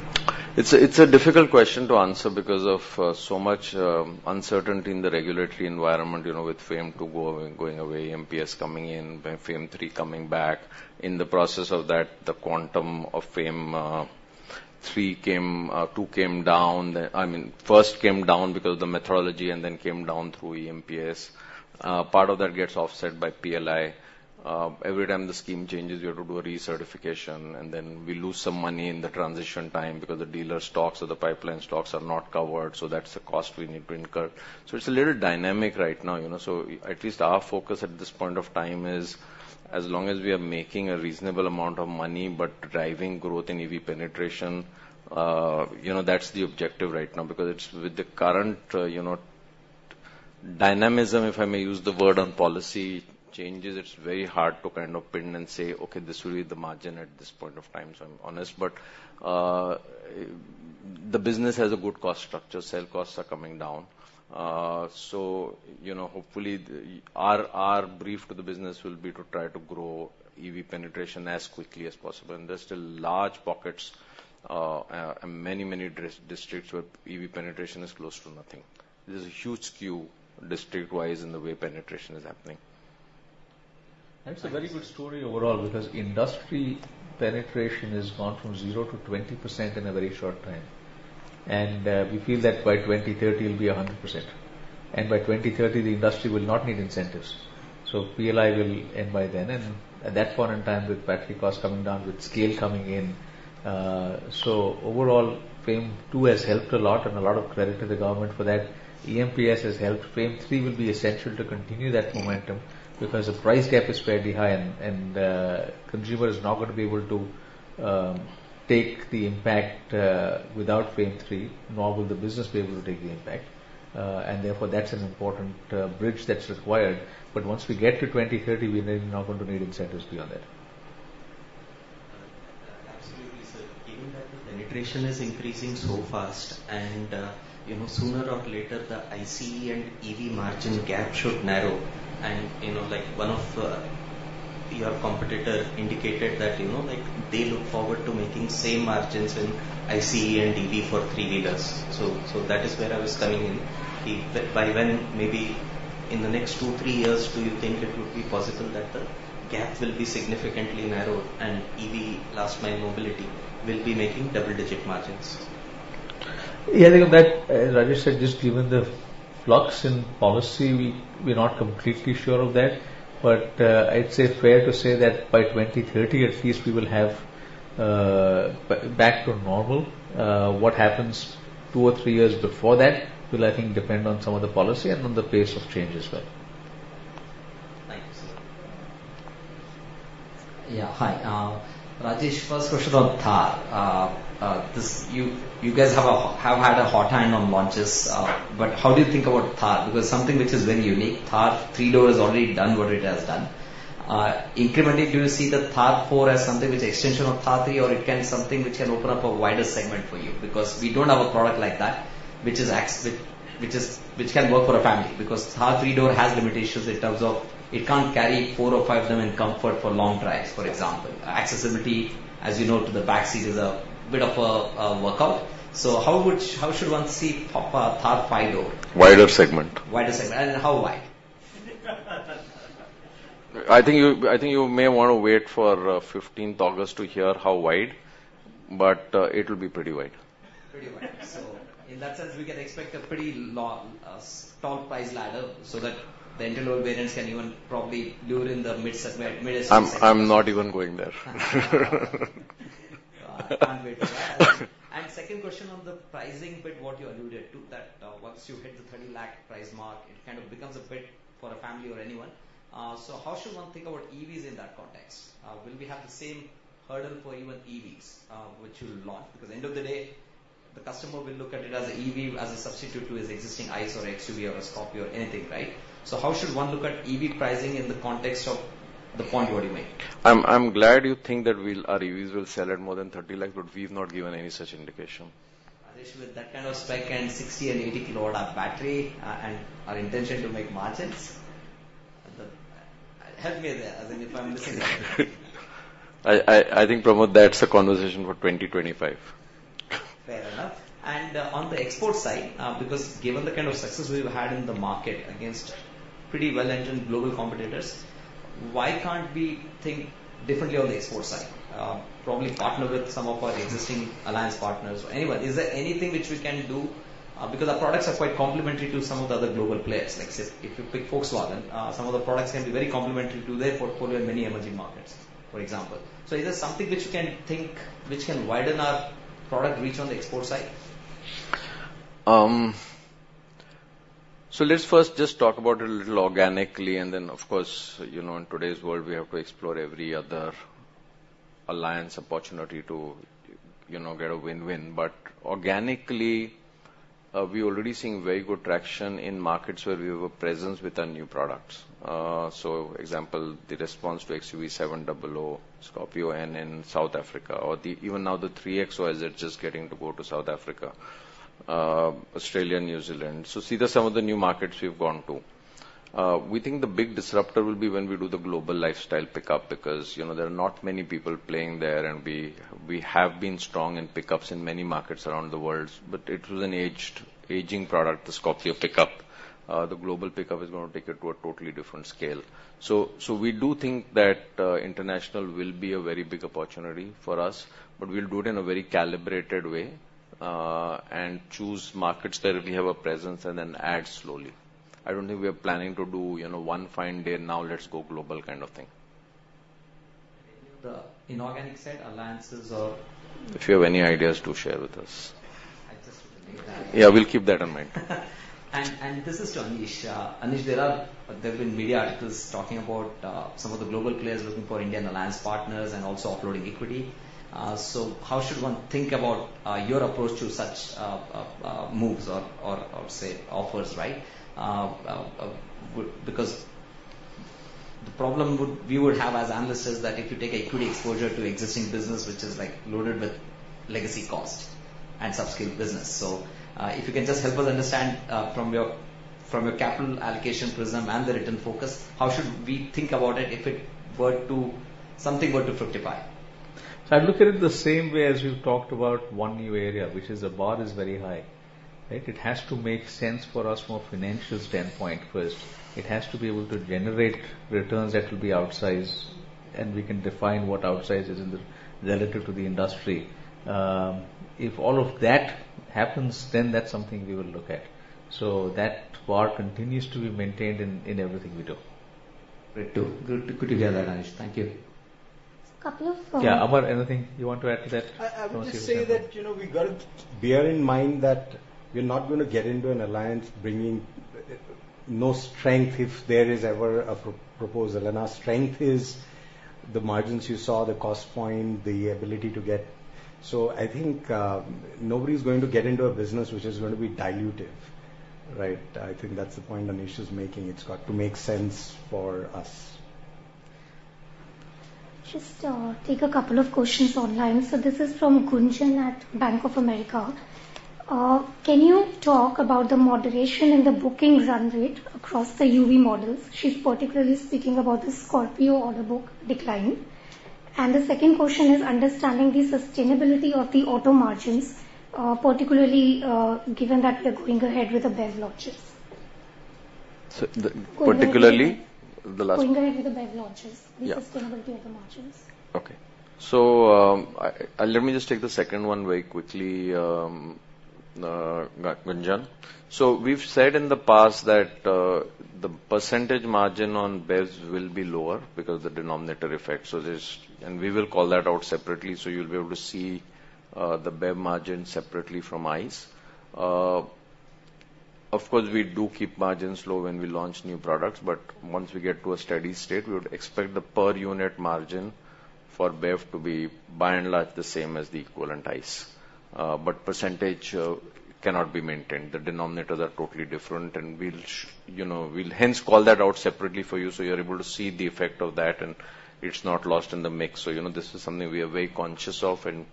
It's a difficult question to answer because of so much uncertainty in the regulatory environment, you know, with FAME II going away, EMPS coming in, FAME III coming back. In the process of that, the quantum FAME II came down. I mean, first came down because of the methodology and then came down through EMPS. Part of that gets offset by PLI. Every time the scheme changes, we have to do a recertification, and then we lose some money in the transition time because the dealer stocks or the pipeline stocks are not covered, so that's a cost we need to incur. So it's a little dynamic right now, you know, so at least our focus at this point of time is, as long as we are making a reasonable amount of money, but driving growth in EV penetration, you know, that's the objective right now. Because it's with the current, you know, dynamism, if I may use the word, on policy changes, it's very hard to kind of pin and say, "Okay, this will be the margin at this point of time," so I'm honest. But the business has a good cost structure. Cell costs are coming down. So, you know, hopefully, our brief to the business will be to try to grow EV penetration as quickly as possible, and there's still large pockets in many, many districts where EV penetration is close to nothing. There's a huge skew district-wise in the way penetration is happening. That's a very good story overall, because industry penetration has gone from 0 to 20% in a very short time. We feel that by 2030, it'll be 100%, and by 2030, the industry will not need incentives. So PLI will end by then, and at that point in time, with battery costs coming down, with scale coming in. So overall, FAME II has helped a lot, and a lot of credit to the government for that. EMPS has helped. FAME III will be essential to continue that momentum, because the price gap is fairly high and, consumer is not going to be able to take the impact, without FAME III, nor will the business be able to take the impact. And therefore, that's an important bridge that's required. Once we get to 2030, we may not be going to need incentives beyond that. Absolutely, sir. Given that the penetration is increasing so fast and, you know, sooner or later, the ICE and EV margin gap should narrow. And, you know, like, one of, your competitor indicated that, you know, like, they look forward to making same margins in ICE and EV for three-wheelers. So, so that is where I was coming in. By when, maybe in the next 2, 3 years, do you think it would be possible that the gap will be significantly narrowed and EV last mile mobility will be making double-digit margins? Yeah, I think that, as Rajesh said, just given the flux in policy, we, we're not completely sure of that, but, it's safe to say that by 2030, at least we will have, back to normal. What happens two or three years before that will, I think, depend on some of the policy and on the pace of change as well. Thank you, sir. Yeah, hi. Rajesh, first question on Thar. You guys have had a hot hand on launches, but how do you think about Thar? Because something which is very unique, Thar three-door has already done what it has done. Incrementally, do you see the Thar four as something which is extension of Thar three, or it can something which can open up a wider segment for you? Because we don't have a product like that, which can work for a family, because Thar three-door has limitations in terms of it can't carry four or five of them in comfort for long drives, for example. Accessibility, as you know, to the back seat is a bit of a workout. So how should one see Thar five-door? Wider segment. Wider segment. And how wide? I think you may want to wait for fifteenth August to hear how wide, but it will be pretty wide. Pretty wide. So in that sense, we can expect a pretty long price ladder, so that the internal variants can even probably lure in the mid-segment, mid-segment. I'm not even going there. I can't wait for that. Second question on the pricing bit, what you alluded to, that once you hit the 30 lakh price mark, it kind of becomes a bit for a family or anyone. So how should one think about EVs in that context? Will we have the same hurdle for even EVs, which you'll launch? Because end of the day, the customer will look at it as an EV, as a substitute to his existing ICE or XUV or Scorpio or anything, right? So how should one look at EV pricing in the context of the point you already made? I'm glad you think that our EVs will sell at more than 30 lakh, but we've not given any such indication. Rajesh, with that kind of spec and 60 and 80 kWh battery, and our intention to make margins, help me there, as in if I'm missing anything. I think, Pramod, that's a conversation for 2025. Fair enough. On the export side, because given the kind of success we've had in the market against pretty well-entrenched global competitors, why can't we think differently on the export side? Probably partner with some of our existing alliance partners or anyone. Is there anything which we can do? Because our products are quite complementary to some of the other global players. Like, say, if you pick Volkswagen, some of the products can be very complementary to their portfolio in many emerging markets, for example. Is there something which you can think, which can widen our product reach on the export side? So let's first just talk about it a little organically, and then, of course, you know, in today's world, we have to explore every other alliance opportunity to, you know, get a win-win. But organically, we're already seeing very good traction in markets where we have a presence with our new products. So example, the response to XUV700, Scorpio-N in South Africa, or even now, the XUV 3XO is just getting to go to South Africa, Australia, New Zealand. So these are some of the new markets we've gone to. We think the big disruptor will be when we do the global lifestyle pickup, because, you know, there are not many people playing there, and we have been strong in pickups in many markets around the world, but it was an aging product, the Scorpio Pik-Up. The global pickup is going to take it to a totally different scale. So we do think that international will be a very big opportunity for us, but we'll do it in a very calibrated way, and choose markets where we have a presence and then add slowly. I don't think we are planning to do, you know, one fine day, now let's go global kind of thing. The inorganic side, alliances or? If you have any ideas, do share with us. I just made that. Yeah, we'll keep that in mind. This is to Anish. Anish, there have been media articles talking about some of the global players looking for India and alliance partners and also offloading equity. So how should one think about your approach to such moves or, say, offers, right? Because the problem we would have as analysts is that if you take equity exposure to existing business, which is, like, loaded with legacy cost and subscale business. So if you can just help us understand from your capital allocation prism and the return focus, how should we think about it if something were to fructify? So I look at it the same way as you talked about one new area, which is the bar is very high, right? It has to make sense for us from a financial standpoint first. It has to be able to generate returns that will be outsized, and we can define what outsized is in the relative to the industry. If all of that happens, then that's something we will look at. So that bar continues to be maintained in everything we do. Good to hear that, Anish. Thank you. A couple of- Yeah, Amar, anything you want to add to that? I would just say that, you know, we got to bear in mind that we're not going to get into an alliance bringing no strength if there is ever a proposal. And our strength is the margins you saw, the cost point, the ability to get. So I think nobody's going to get into a business which is going to be dilutive, right? I think that's the point Anish is making. It's got to make sense for us. Just, take a couple of questions online. So this is from Gunjan at Bank of America. Can you talk about the moderation in the booking run rate across the UV models? She's particularly speaking about the Scorpio order book decline. And the second question is understanding the sustainability of the auto margins, particularly, given that you're going ahead with the BEV launches. So particularly? Going ahead. The last- Going ahead with the BEV launches. Yeah. The sustainability of the margins. Okay. So, let me just take the second one very quickly, Gunjan. So we've said in the past that the percentage margin on BEVs will be lower because the denominator effect. So there's. And we will call that out separately, so you'll be able to see the BEV margin separately from ICE. Of course, we do keep margins low when we launch new products, but once we get to a steady state, we would expect the per unit margin for BEV to be, by and large, the same as the equivalent ICE. But percentage cannot be maintained. The denominators are totally different, and we'll hence call that out separately for you, so you're able to see the effect of that, and it's not lost in the mix. So, you know, this is something we are very conscious of, and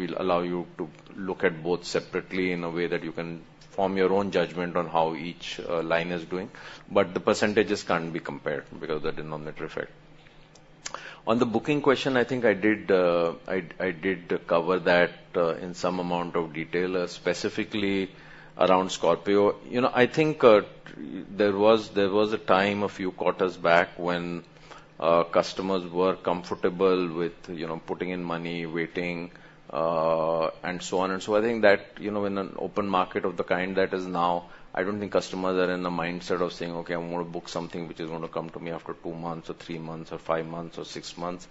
we'll allow you to look at both separately in a way that you can form your own judgment on how each line is doing. But the percentages can't be compared because of the denominator effect. On the booking question, I think I did cover that in some amount of detail, specifically around Scorpio. You know, I think there was a time, a few quarters back, when customers were comfortable with, you know, putting in money, waiting, and so on. So I think that, you know, in an open market of the kind that is now, I don't think customers are in the mindset of saying: Okay, I'm going to book something which is going to come to me after 2 months or 3 months or 5 months or 6 months.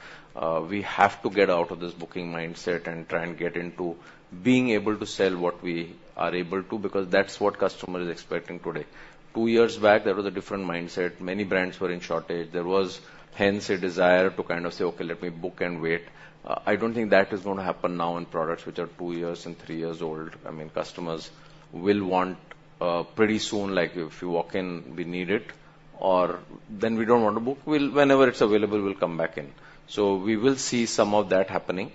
We have to get out of this booking mindset and try and get into being able to sell what we are able to, because that's what customer is expecting today. 2 years back, there was a different mindset. Many brands were in shortage. There was hence a desire to kind of say, "Okay, let me book and wait." I don't think that is going to happen now in products which are 2 years and 3 years old. I mean, customers will want pretty soon, like, if you walk in, we need it, or then we don't want to book. We'll whenever it's available, we'll come back in. So we will see some of that happening.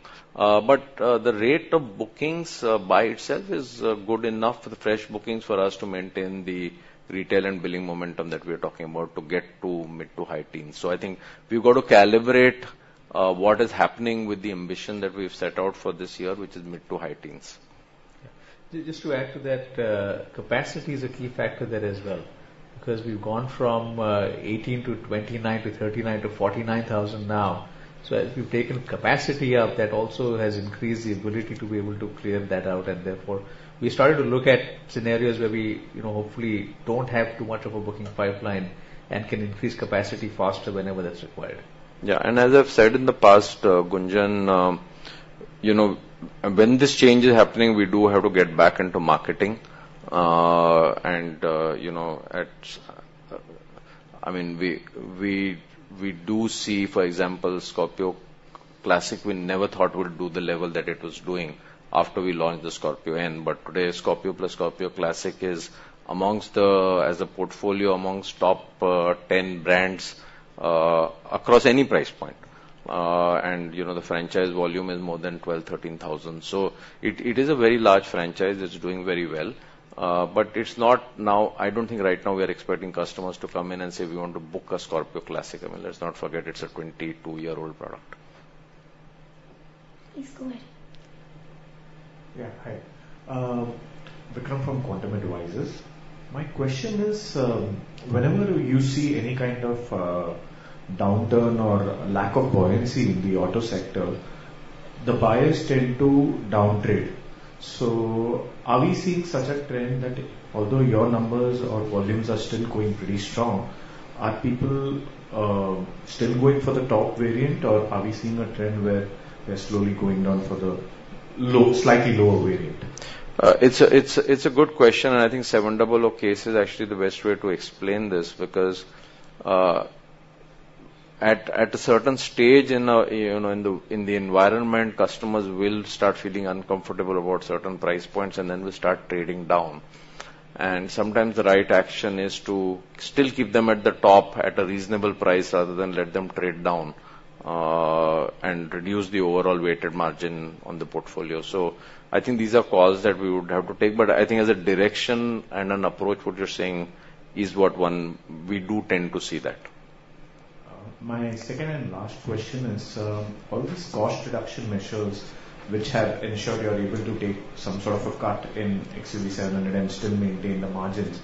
But the rate of bookings by itself is good enough for the fresh bookings for us to maintain the retail and billing momentum that we are talking about to get to mid-to-high teens. So I think we've got to calibrate what is happening with the ambition that we've set out for this year, which is mid-to-high teens. Just to add to that, capacity is a key factor there as well, because we've gone from 18 to 29 to 39 to 49 thousand now. So as we've taken capacity up, that also has increased the ability to be able to clear that out, and therefore, we started to look at scenarios where we, you know, hopefully don't have too much of a booking pipeline and can increase capacity faster whenever that's required. Yeah, and as I've said in the past, Gunjan, you know, when this change is happening, we do have to get back into marketing. And you know, I mean, we do see, for example, Scorpio Classic, we never thought would do the level that it was doing after we launched the Scorpio-N. But today, Scorpio plus Scorpio Classic is amongst the, as a portfolio, amongst top ten brands across any price point. And you know, the franchise volume is more than 12-13 thousand. So it is a very large franchise. It's doing very well, but it's not now. I don't think right now we are expecting customers to come in and say, "We want to book a Scorpio Classic." I mean, let's not forget, it's a 22-year-old product. Please go ahead. Yeah, hi. Vikram from Quantum Advisors. My question is, whenever you see any kind of downturn or lack of buoyancy in the auto sector, the buyers tend to downtrend. So are we seeing such a trend that although your numbers or volumes are still going pretty strong, are people still going for the top variant, or are we seeing a trend where they're slowly going down for the low, slightly lower variant? It's a good question, and I think Seven Double O case is actually the best way to explain this, because at a certain stage in our, you know, in the environment, customers will start feeling uncomfortable about certain price points, and then will start trading down and sometimes the right action is to still keep them at the top at a reasonable price, rather than let them trade down and reduce the overall weighted margin on the portfolio. So I think these are calls that we would have to take. But I think as a direction and an approach, what you're saying is what we do tend to see that. My second and last question is, all these cost reduction measures which have ensured you are able to take some sort of a cut in XUV700 and still maintain the margins.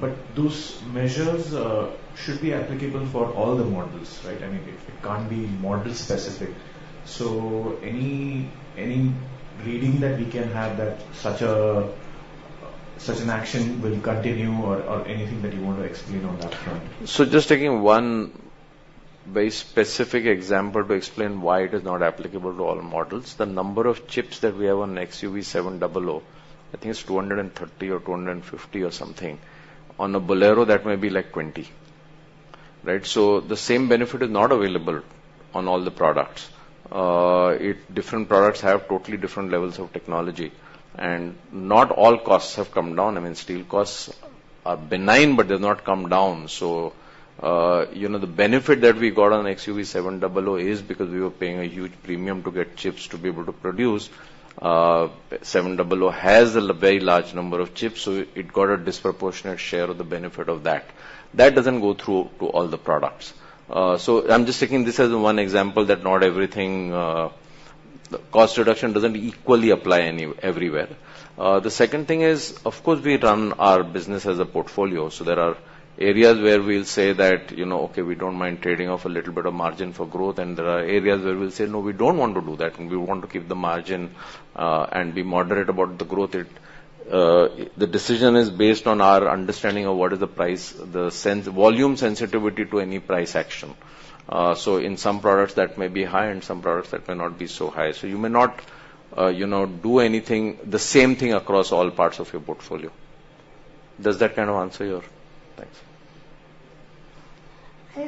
But those measures should be applicable for all the models, right? I mean, it can't be model specific. So any, any reading that we can have that such a, such an action will continue or anything that you want to explain on that front? So just taking one very specific example to explain why it is not applicable to all models. The number of chips that we have on XUV700, I think it's 230 or 250 or something. On a Bolero, that may be like 20, right? So the same benefit is not available on all the products. Different products have totally different levels of technology, and not all costs have come down. I mean, steel costs are benign, but they've not come down. So, you know, the benefit that we got on XUV700 is because we were paying a huge premium to get chips to be able to produce. XUV700 has a very large number of chips, so it got a disproportionate share of the benefit of that. That doesn't go through to all the products. So I'm just taking this as one example that not everything, cost reduction doesn't equally apply everywhere. The second thing is, of course, we run our business as a portfolio, so there are areas where we'll say that, you know, "Okay, we don't mind trading off a little bit of margin for growth." And there are areas where we'll say, "No, we don't want to do that, and we want to keep the margin, and be moderate about the growth." The decision is based on our understanding of what is the price, the volume sensitivity to any price action. So in some products that may be high, in some products that may not be so high. So you may not, you know, do anything, the same thing across all parts of your portfolio. Does that kind of answer your? Thanks.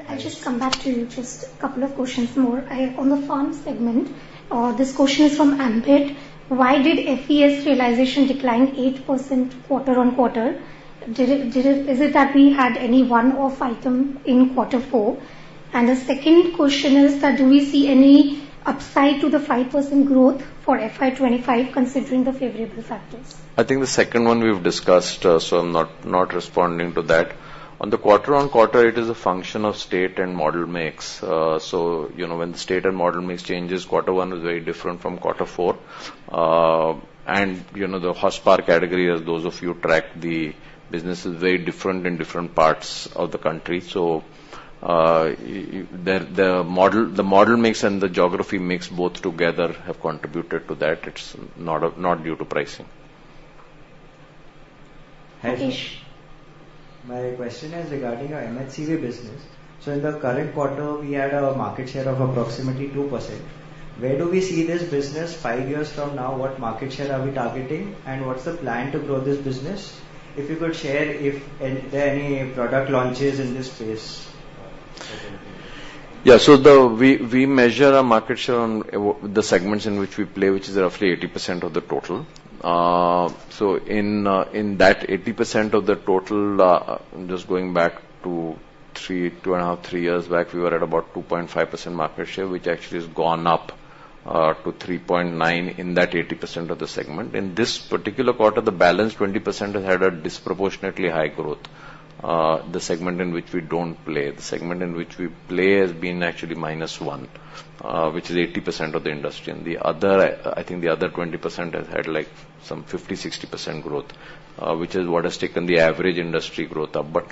I just come back to you, just a couple of questions more. On the farm segment, this question is from Ambit: Why did FES realization decline 8% quarter-on-quarter? Is it that we had any one-off item in quarter four? And the second question is that, do we see any upside to the 5% growth for FY 2025, considering the favorable factors? I think the second one we've discussed, so I'm not, not responding to that. On the quarter-on-quarter, it is a function of state and model mix. So, you know, when the state and model mix changes, quarter one is very different from quarter four. And, you know, the horsepower category, as those of you track the business, is very different in different parts of the country. So, the model, the model mix and the geography mix, both together, have contributed to that. It's not, not due to pricing. Rakesh. My question is regarding our MHCV business. So in the current quarter, we had a market share of approximately 2%. Where do we see this business five years from now? What market share are we targeting, and what's the plan to grow this business? If you could share if any, there are any product launches in this space. Yeah. So we measure our market share on the segments in which we play, which is roughly 80% of the total. So in that 80% of the total, just going back 2.5-3 years back, we were at about 2.5% market share, which actually has gone up to 3.9% in that 80% of the segment. In this particular quarter, the balance 20% has had a disproportionately high growth, the segment in which we don't play. The segment in which we play has been actually -1%, which is 80% of the industry. And the other, I think the other 20% has had, like, some 50%-60% growth, which is what has taken the average industry growth up. But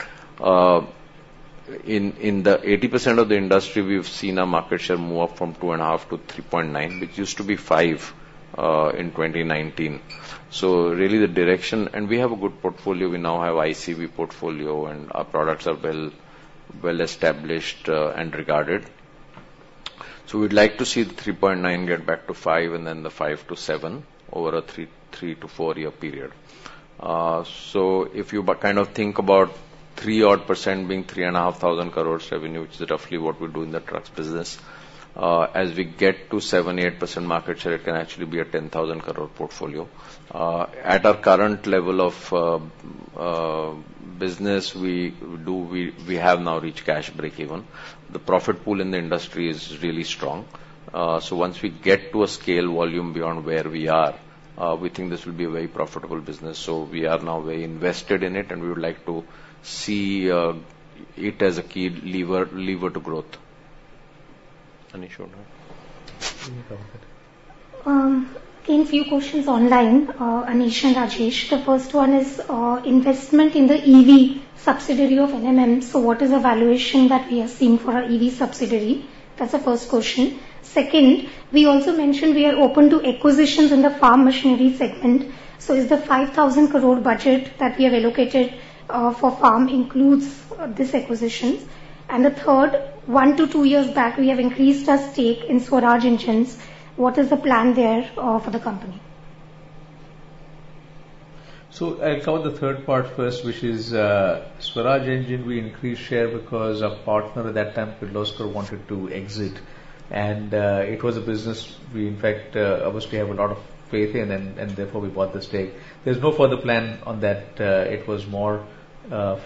in the 80% of the industry, we've seen our market share move up from 2.5 to 3.9, which used to be 5 in 2019. So really the direction. And we have a good portfolio. We now have ICV portfolio, and our products are well established and regarded. So we'd like to see the 3.9 get back to 5, and then the 5 to 7 over a 3 to 4 year period. So if you kind of think about 3% being 3,500 crore revenue, which is roughly what we do in the trucks business, as we get to 7%-8% market share, it can actually be a 10,000 crore portfolio. At our current level of business, we have now reached cash breakeven. The profit pool in the industry is really strong. So once we get to a scale volume beyond where we are, we think this will be a very profitable business. So we are now very invested in it, and we would like to see it as a key lever to growth. Anish or not? I have a few questions online, Anish and Rajesh. The first one is, investment in the EV subsidiary of M&M. So what is the valuation that we are seeing for our EV subsidiary? That's the first question. Second, we also mentioned we are open to acquisitions in the farm machinery segment. So is the 5,000 crore budget that we have allocated for farm includes this acquisition? And the third, 1-2 years back, we have increased our stake in Swaraj Engines. What is the plan there for the company? So I'll cover the third part first, which is Swaraj Engines, we increased share because our partner at that time, Kirloskar, wanted to exit. And it was a business we, in fact, obviously have a lot of faith in, and therefore, we bought the stake. There's no further plan on that. It was more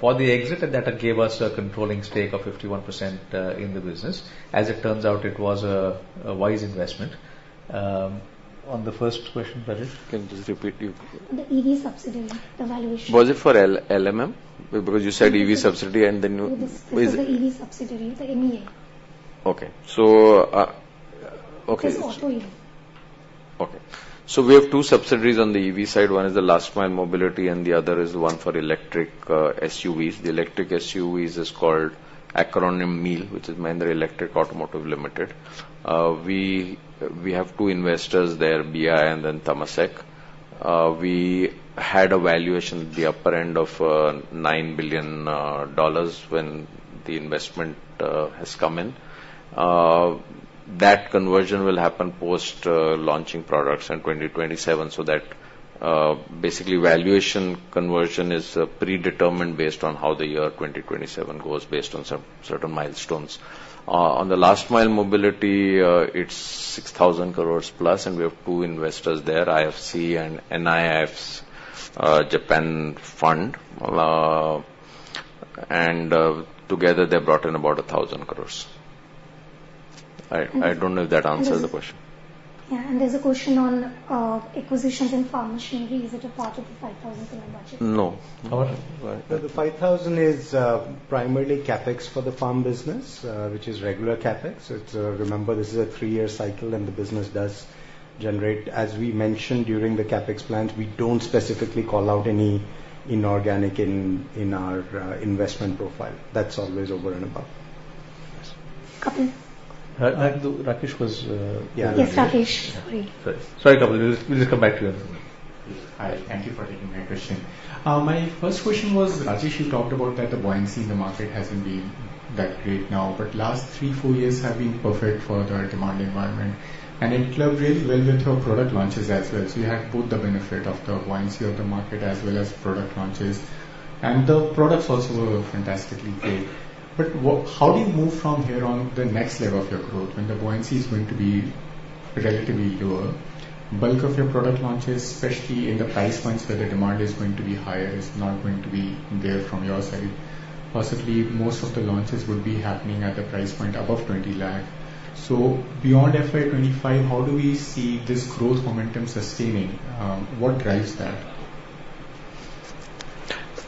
for the exit, and that gave us a controlling stake of 51% in the business. As it turns out, it was a wise investment. On the first question, Rajesh? Can you just repeat you The EV subsidiary, the valuation. Was it for LMM? Because you said EV subsidiary, and then you- No, this is the EV subsidiary, the MEAL. Okay, so, okay. It's auto EV. Okay. So we have two subsidiaries on the EV side. One is the Last Mile Mobility, and the other is one for electric SUVs. The electric SUVs is called acronym, MEAL, which is Mahindra Electric Automobile Limited. We have two investors there, BII and then Temasek. We had a valuation at the upper end of $9 billion when the investment has come in. That conversion will happen post launching products in 2027, so that basically, valuation conversion is predetermined based on how the year 2027 goes, based on some certain milestones. On the Last Mile Mobility, it's 6,000 crore plus, and we have two investors there, IFC and NIIF's Japan Fund. And together, they brought in about 1,000 crore. I don't know if that answers the question. Yeah, and there's a question on acquisitions in farm machinery. Is it a part of the 5,000 crore budget? No. The 5,000 is primarily CapEx for the farm business, which is regular CapEx. It's remember, this is a three-year cycle, and the business does generate. As we mentioned during the CapEx plans, we don't specifically call out any inorganic in our investment profile. That's always over and above. Kapil? Rakesh was Yes, Rakesh. Sorry. Sorry, Kapil. We'll just come back to you. Hi. Thank you for taking my question. My first question was, Rajesh, you talked about that the buoyancy in the market hasn't been that great now, but last 3, 4 years have been perfect for the demand environment, and it clubbed really well with your product launches as well. So you had both the benefit of the buoyancy of the market as well as product launches, and the products also were fantastically great. But how do you move from here on the next level of your growth, when the buoyancy is going to be relatively lower? Bulk of your product launches, especially in the price points where the demand is going to be higher, is not going to be there from your side. Possibly, most of the launches would be happening at a price point above 20 lakh. So beyond FY 2025, how do we see this growth momentum sustaining? What drives that?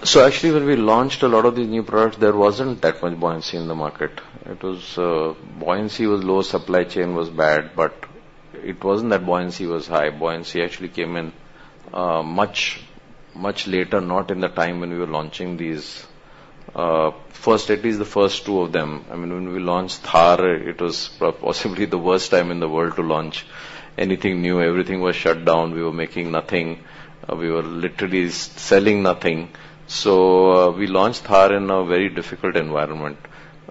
So actually, when we launched a lot of these new products, there wasn't that much buoyancy in the market. It was, buoyancy was low, supply chain was bad, but it wasn't that buoyancy was high. Buoyancy actually came in, much, much later, not in the time when we were launching these. First, at least the first two of them, I mean, when we launched Thar, it was possibly the worst time in the world to launch anything new. Everything was shut down. We were making nothing. We were literally selling nothing. So, we launched Thar in a very difficult environment.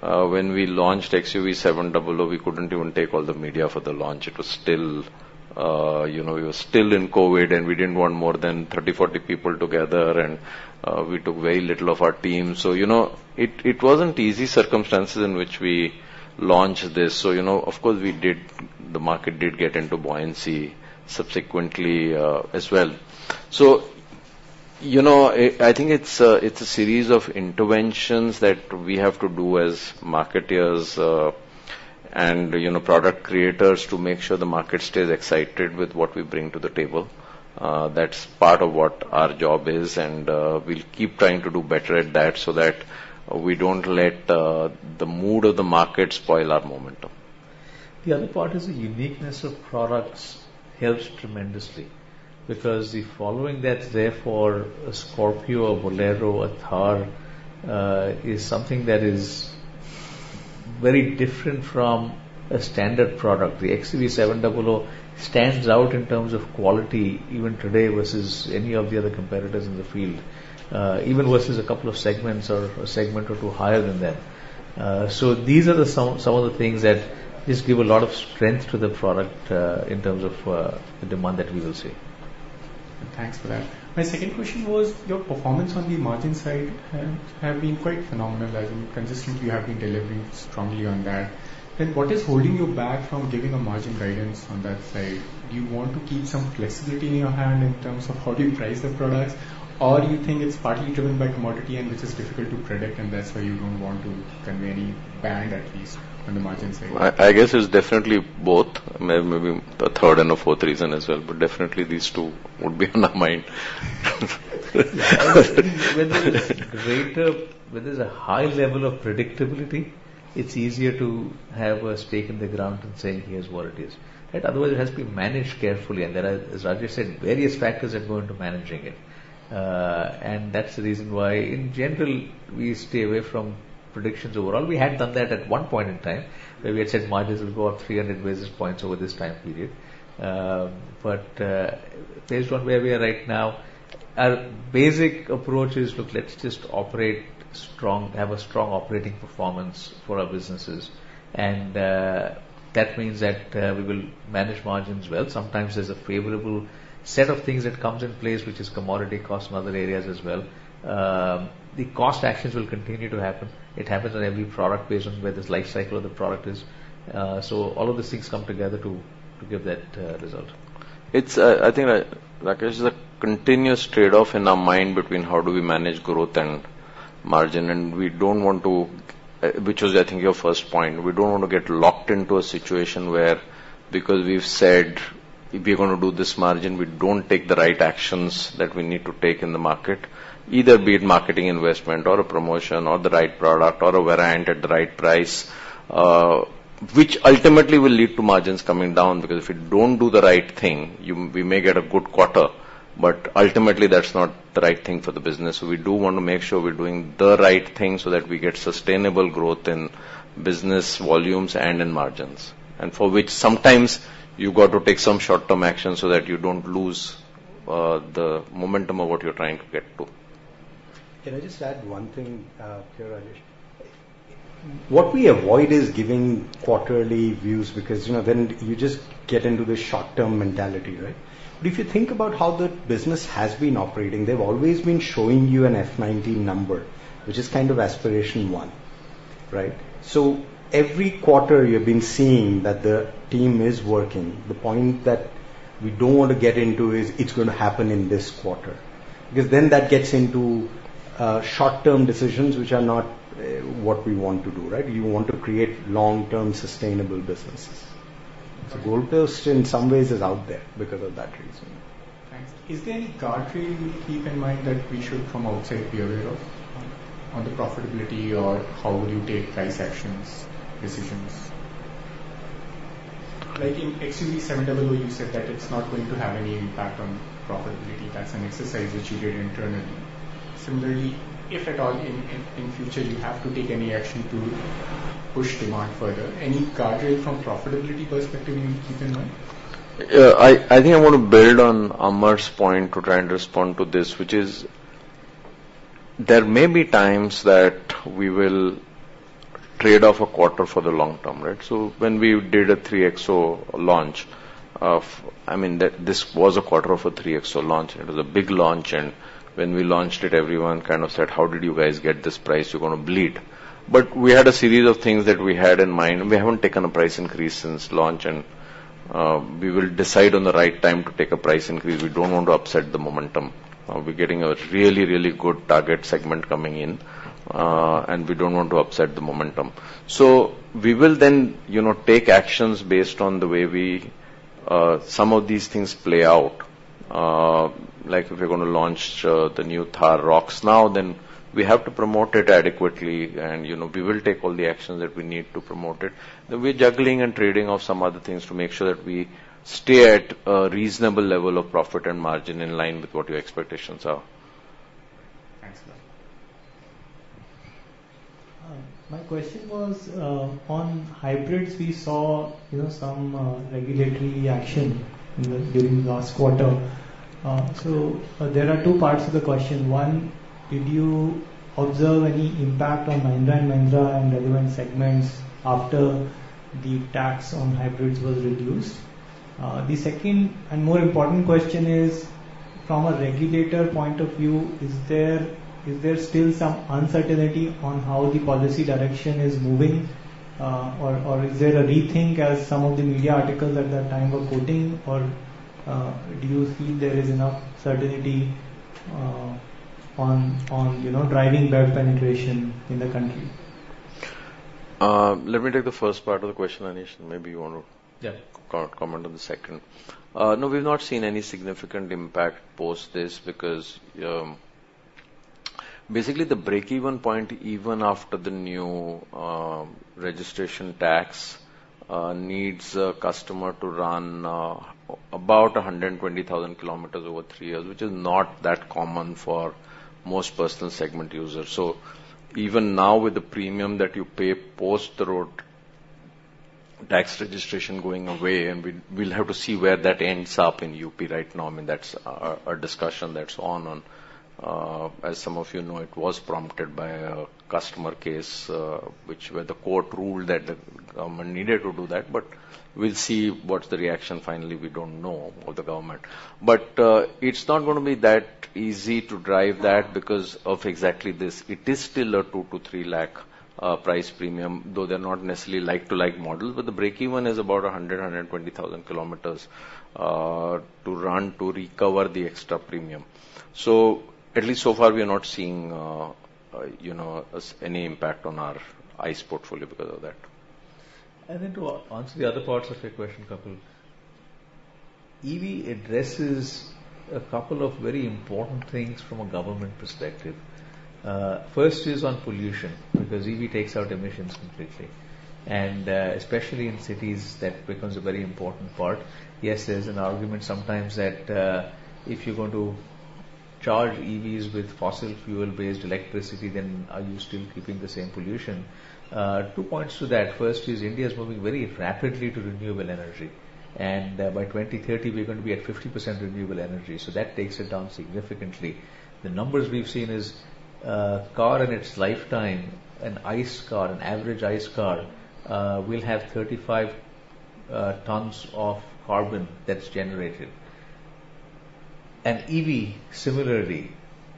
When we launched XUV700, we couldn't even take all the media for the launch. It was still, you know, we were still in COVID, and we didn't want more than 30, 40 people together, and we took very little of our team. So, you know, it wasn't easy circumstances in which we launched this. So, you know, of course, we did, the market did get into buoyancy subsequently, as well. So, you know, I think it's a series of interventions that we have to do as marketers, and, you know, product creators, to make sure the market stays excited with what we bring to the table. That's part of what our job is, and we'll keep trying to do better at that so that we don't let the mood of the market spoil our momentum. The other part is the uniqueness of products helps tremendously, because the following that's there for a Scorpio, a Bolero, a Thar, is something that is very different from a standard product. The XUV700 stands out in terms of quality, even today, versus any of the other competitors in the field, even versus a couple of segments or a segment or two higher than them. So these are some of the things that just give a lot of strength to the product, in terms of, the demand that we will see. Thanks for that. My second question was, your performance on the margin side have been quite phenomenal, as in consistently, you have been delivering strongly on that. Then what is holding you back from giving a margin guidance on that side? Do you want to keep some flexibility in your hand in terms of how do you price the products, or you think it's partly driven by commodity and which is difficult to predict, and that's why you don't want to convey any band, at least on the margin side? I guess it's definitely both, maybe a third and a fourth reason as well, but definitely these two would be on our mind. When there's a high level of predictability, it's easier to have a stake in the ground and saying, "Here's what it is." Right? Otherwise, it has to be managed carefully. And there are, as Rajesh said, various factors that go into managing it. And that's the reason why, in general, we stay away from predictions overall. We had done that at one point in time, where we had said margins will go up 300 basis points over this time period. But based on where we are right now, our basic approach is, look, let's just operate strong, have a strong operating performance for our businesses, and that means that we will manage margins well. Sometimes there's a favorable set of things that comes in place, which is commodity costs and other areas as well. The cost actions will continue to happen. It happens on every product based on where this life cycle of the product is. So all of these things come together to give that result. It's, I think, Rakesh, the continuous trade-off in our mind between how do we manage growth and margin, and we don't want to, which was, I think, your first point. We don't want to get locked into a situation where, because we've said we are going to do this margin, we don't take the right actions that we need to take in the market, either be it marketing investment, or a promotion, or the right product, or a variant at the right price. Which ultimately will lead to margins coming down, because if you don't do the right thing, you we may get a good quarter, but ultimately, that's not the right thing for the business. So we do want to make sure we're doing the right thing so that we get sustainable growth in business volumes and in margins, and for which sometimes you've got to take some short-term actions so that you don't lose the momentum of what you're trying to get to. Can I just add one thing, here, Anish? What we avoid is giving quarterly views, because, you know, then you just get into the short-term mentality, right? But if you think about how the business has been operating, they've always been showing you an F 19 number, which is kind of aspiration one, right? So every quarter, you've been seeing that the team is working. The point that we don't want to get into is, it's going to happen in this quarter. Because then that gets into, short-term decisions, which are not, what we want to do, right? We want to create long-term, sustainable businesses. Right. The goalpost, in some ways, is out there because of that reason. Thanks. Is there any guardrail you keep in mind that we should, from outside, be aware of on the profitability or how will you take price actions, decisions? Like in XUV700, you said that it's not going to have any impact on profitability. That's an exercise which you did internally. Similarly, if at all, in future, you have to take any action to push demand further, any guardrail from profitability perspective you keep in mind? I think I want to build on Amar's point to try and respond to this, which is there may be times that we will trade off a quarter for the long term, right? So when we did a XUV 3XO launch. I mean, this was a quarter of a XUV 3XO launch. It was a big launch, and when we launched it, everyone kind of said: "How did you guys get this price? You're gonna bleed." But we had a series of things that we had in mind, and we haven't taken a price increase since launch, and we will decide on the right time to take a price increase. We don't want to upset the momentum. We're getting a really, really good target segment coming in, and we don't want to upset the momentum. So we will then, you know, take actions based on the way we, some of these things play out. Like, if we're gonna launch the new Thar ROXX now, then we have to promote it adequately, and, you know, we will take all the actions that we need to promote it. Then we're juggling and trading off some other things to make sure that we stay at a reasonable level of profit and margin in line with what your expectations are. Thanks, sir. My question was on hybrids. We saw, you know, some regulatory action in the during last quarter. So there are two parts to the question. One, did you observe any impact on Mahindra & Mahindra in relevant segments after the tax on hybrids was reduced? The second and more important question is, from a regulator point of view, is there still some uncertainty on how the policy direction is moving, or is there a rethink as some of the media articles at that time were quoting? Or do you feel there is enough certainty on you know, driving BEV penetration in the country? Let me take the first part of the question, Anish, and maybe you want to- Yeah. No, we've not seen any significant impact post this, because, basically, the break-even point, even after the new registration tax, needs a customer to run about 100,000 km over three years, which is not that common for most personal segment users. So even now, with the premium that you pay post the road tax registration going away, and we'll have to see where that ends up in UP right now. I mean, that's a discussion that's on, and, as some of you know, it was prompted by a customer case, which. where the court ruled that the government needed to do that. But we'll see what's the reaction finally, we don't know, of the government. But, it's not gonna be that easy to drive that because of exactly this. It is still a 2-3 lakh price premium, though they're not necessarily like-to-like models. But the break even is about 100-120,000 km to run to recover the extra premium. So at least so far, we are not seeing, you know, any impact on our ICE portfolio because of that. I think to answer the other parts of your question, Kapil, EV addresses a couple of very important things from a government perspective. First is on pollution, because EV takes out emissions completely, and, especially in cities, that becomes a very important part. Yes, there's an argument sometimes that, if you're going to charge EVs with fossil fuel-based electricity, then are you still keeping the same pollution? Two points to that. First is India is moving very rapidly to renewable energy, and by 2030, we're going to be at 50% renewable energy, so that takes it down significantly. The numbers we've seen is, car in its lifetime, an ICE car, an average ICE car, will have 35, tons of carbon that's generated. An EV, similarly,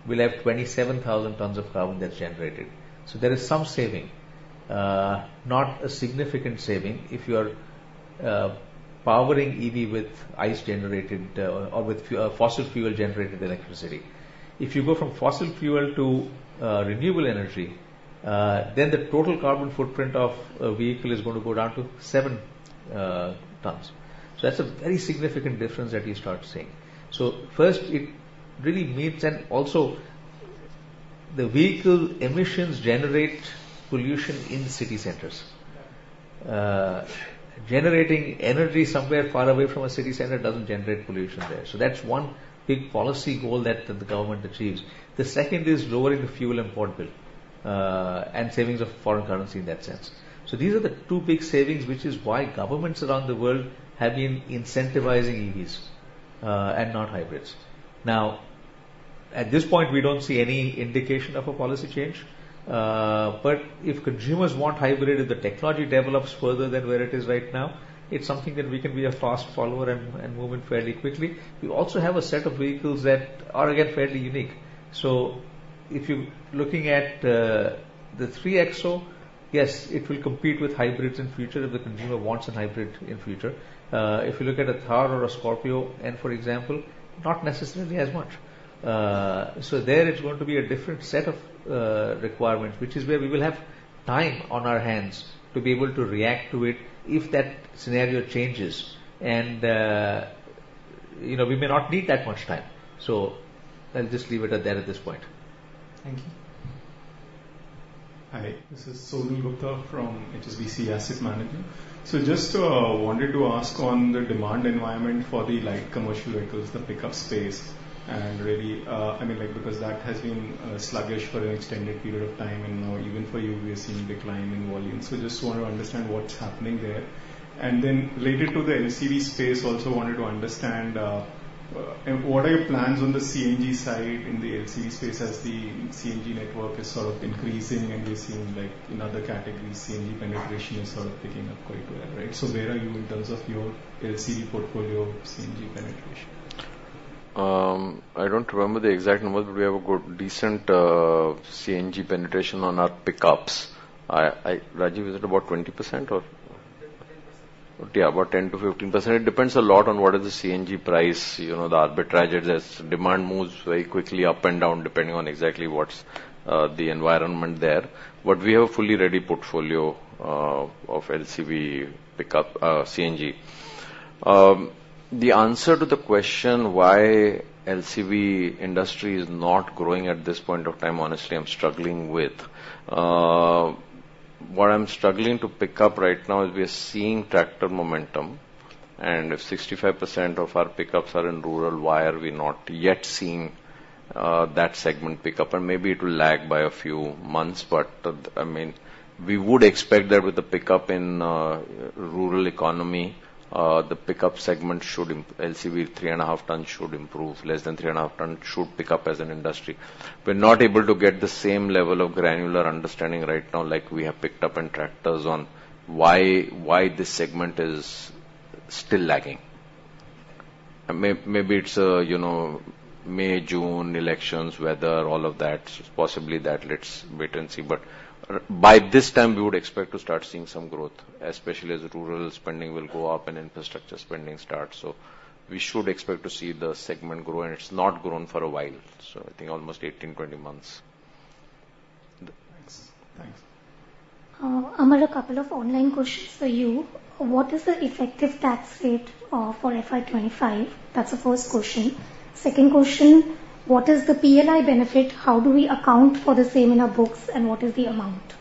will have 27,000 tons of carbon that's generated. So there is some saving, not a significant saving if you are powering EV with ICE-generated, or with fossil fuel-generated electricity. If you go from fossil fuel to renewable energy, then the total carbon footprint of a vehicle is going to go down to seven tons. So that's a very significant difference that you start seeing. So first, it really meets—and also, the vehicle emissions generate pollution in city centers. Generating energy somewhere far away from a city center doesn't generate pollution there. So that's one big policy goal that the government achieves. The second is lowering the fuel import bill, and savings of foreign currency in that sense. So these are the two big savings, which is why governments around the world have been incentivizing EVs, and not hybrids. Now, at this point, we don't see any indication of a policy change. But if consumers want hybrid and the technology develops further than where it is right now, it's something that we can be a fast follower and, and move in fairly quickly. We also have a set of vehicles that are, again, fairly unique. So if you're looking at, the 3XO, yes, it will compete with hybrids in future if the consumer wants a hybrid in future. If you look at a Thar or a Scorpio, and for example, not necessarily as much. So there it's going to be a different set of, requirements, which is where we will have time on our hands to be able to react to it if that scenario changes. And, you know, we may not need that much time. So, I'll just leave it at that at this point. Thank you. Hi, this is Sonal Gupta from HSBC Asset Management. So just wanted to ask on the demand environment for the light commercial vehicles, the pickup space, and really, I mean, like, because that has been sluggish for an extended period of time, and now even for you, we are seeing decline in volume. So just want to understand what's happening there. And then related to the LCV space, also wanted to understand what are your plans on the CNG side in the LCV space as the CNG network is sort of increasing, and we're seeing, like, in other categories, CNG penetration is sort of picking up quite well, right? So where are you in terms of your LCV portfolio CNG penetration? I don't remember the exact numbers, but we have a good, decent, CNG penetration on our pickups. Rajiv, is it about 20% or? 10%-15%. Yeah, about 10%-15%. It depends a lot on what is the CNG price, you know, the arbitrage as demand moves very quickly up and down, depending on exactly what's the environment there. But we have a fully ready portfolio of LCV pickup CNG. The answer to the question why LCV industry is not growing at this point of time, honestly, I'm struggling with. What I'm struggling to pick up right now is we are seeing tractor momentum, and if 65% of our pickups are in rural, why are we not yet seeing that segment pick up? And maybe it will lag by a few months, but, I mean, we would expect that with the pickup in rural economy, the pickup segment should imp- LCV 3.5-ton should improve. Less than 3.5 ton should pick up as an industry. We're not able to get the same level of granular understanding right now, like we have picked up in tractors on why, why this segment is still lagging. Maybe it's, you know, May, June, elections, weather, all of that. Possibly that. Let's wait and see. But by this time, we would expect to start seeing some growth, especially as the rural spending will go up and infrastructure spending starts. So we should expect to see the segment grow, and it's not grown for a while, so I think almost 18-20 months. Thanks. Thanks. Amar, a couple of online questions for you. What is the effective tax rate, for FY 2025? That's the first question. Second question: What is the PLI benefit? How do we account for the same in our books, and what is the amount?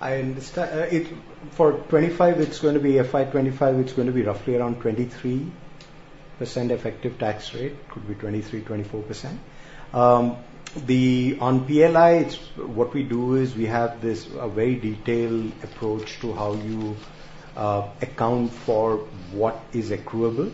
I understand, for 2025, it's going to be FY 2025, it's going to be roughly around 23% effective tax rate, could be 23%-24%. On PLI, it's what we do is we have this a very detailed approach to how you account for what is accruable.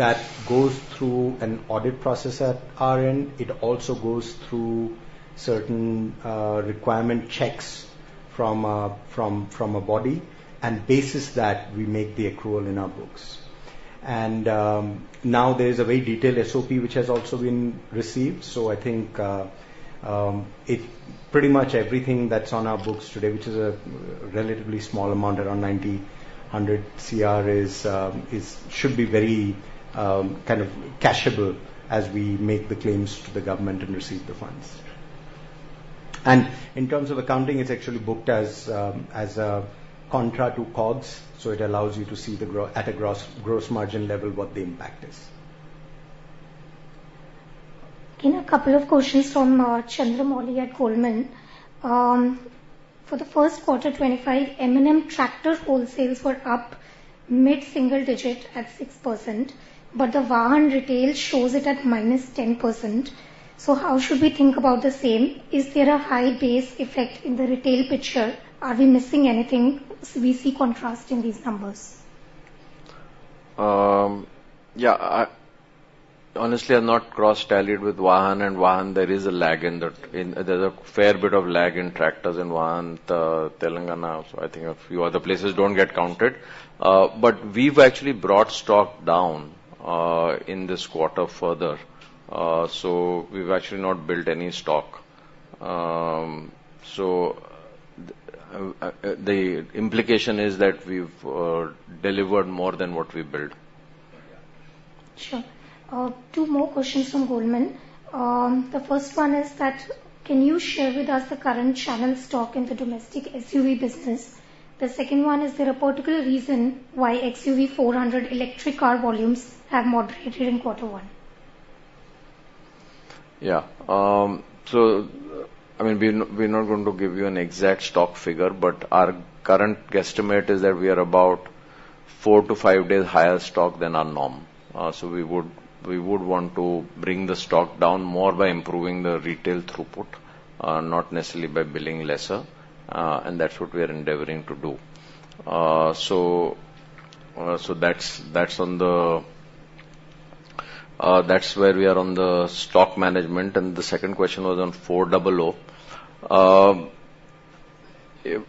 That goes through an audit process at our end. It also goes through certain requirement checks from a body, and based on that, we make the accrual in our books. And now there is a very detailed SOP, which has also been received. So I think it pretty much everything that's on our books today, which is a relatively small amount, around 90 crore-100 crore is should be very kind of cashable as we make the claims to the government and receive the funds. In terms of accounting, it's actually booked as a contra to COGS, so it allows you to see the gross at a gross margin level what the impact is. Okay. A couple of questions from Chandramouli at Goldman. For the first quarter 2025, M&M tractor wholesales were up mid-single digit at 6%, but the Vahan retail shows it at -10%. So how should we think about the same? Is there a high base effect in the retail picture? Are we missing anything? We see contrast in these numbers. Yeah, honestly, I've not cross-tallied with Vahan, and Vahan, there is a lag in that. There's a fair bit of lag in tractors in Vahan. The Telangana, so I think a few other places don't get counted. But we've actually brought stock down in this quarter further. So we've actually not built any stock. So the implication is that we've delivered more than what we built. Sure. Two more questions from Goldman. The first one is that: can you share with us the current channel stock in the domestic XUV business? The second one: is there a particular reason why XUV400 electric car volumes have moderated in quarter one? Yeah. So I mean, we're not, we're not going to give you an exact stock figure, but our current guesstimate is that we are about four to five days higher stock than our norm. So we would, we would want to bring the stock down more by improving the retail throughput, not necessarily by building lesser, and that's what we are endeavoring to do. So, so that's, that's on the. That's where we are on the stock management. And the second question was on Four Double O.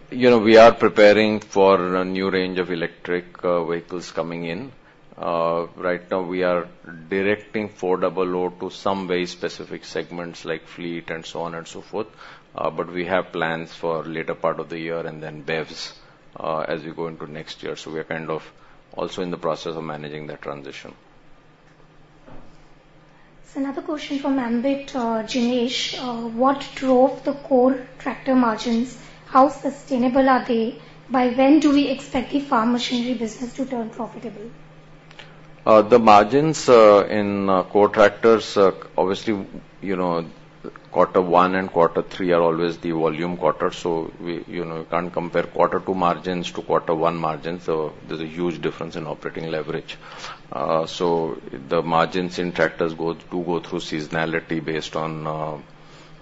You know, we are preparing for a new range of electric vehicles coming in. Right now, we are directing Four Double O to some very specific segments, like fleet and so on and so forth. But we have plans for later part of the year and then BEVs, as we go into next year. So we are kind of also in the process of managing that transition. So another question from Ambit, Jinesh: What drove the core tractor margins? How sustainable are they? By when do we expect the farm machinery business to turn profitable? The margins in core tractors, obviously, you know, quarter one and quarter three are always the volume quarters, so we, you know, can't compare quarter two margins to quarter one margins, so there's a huge difference in operating leverage. So the margins in tractors do go through seasonality based on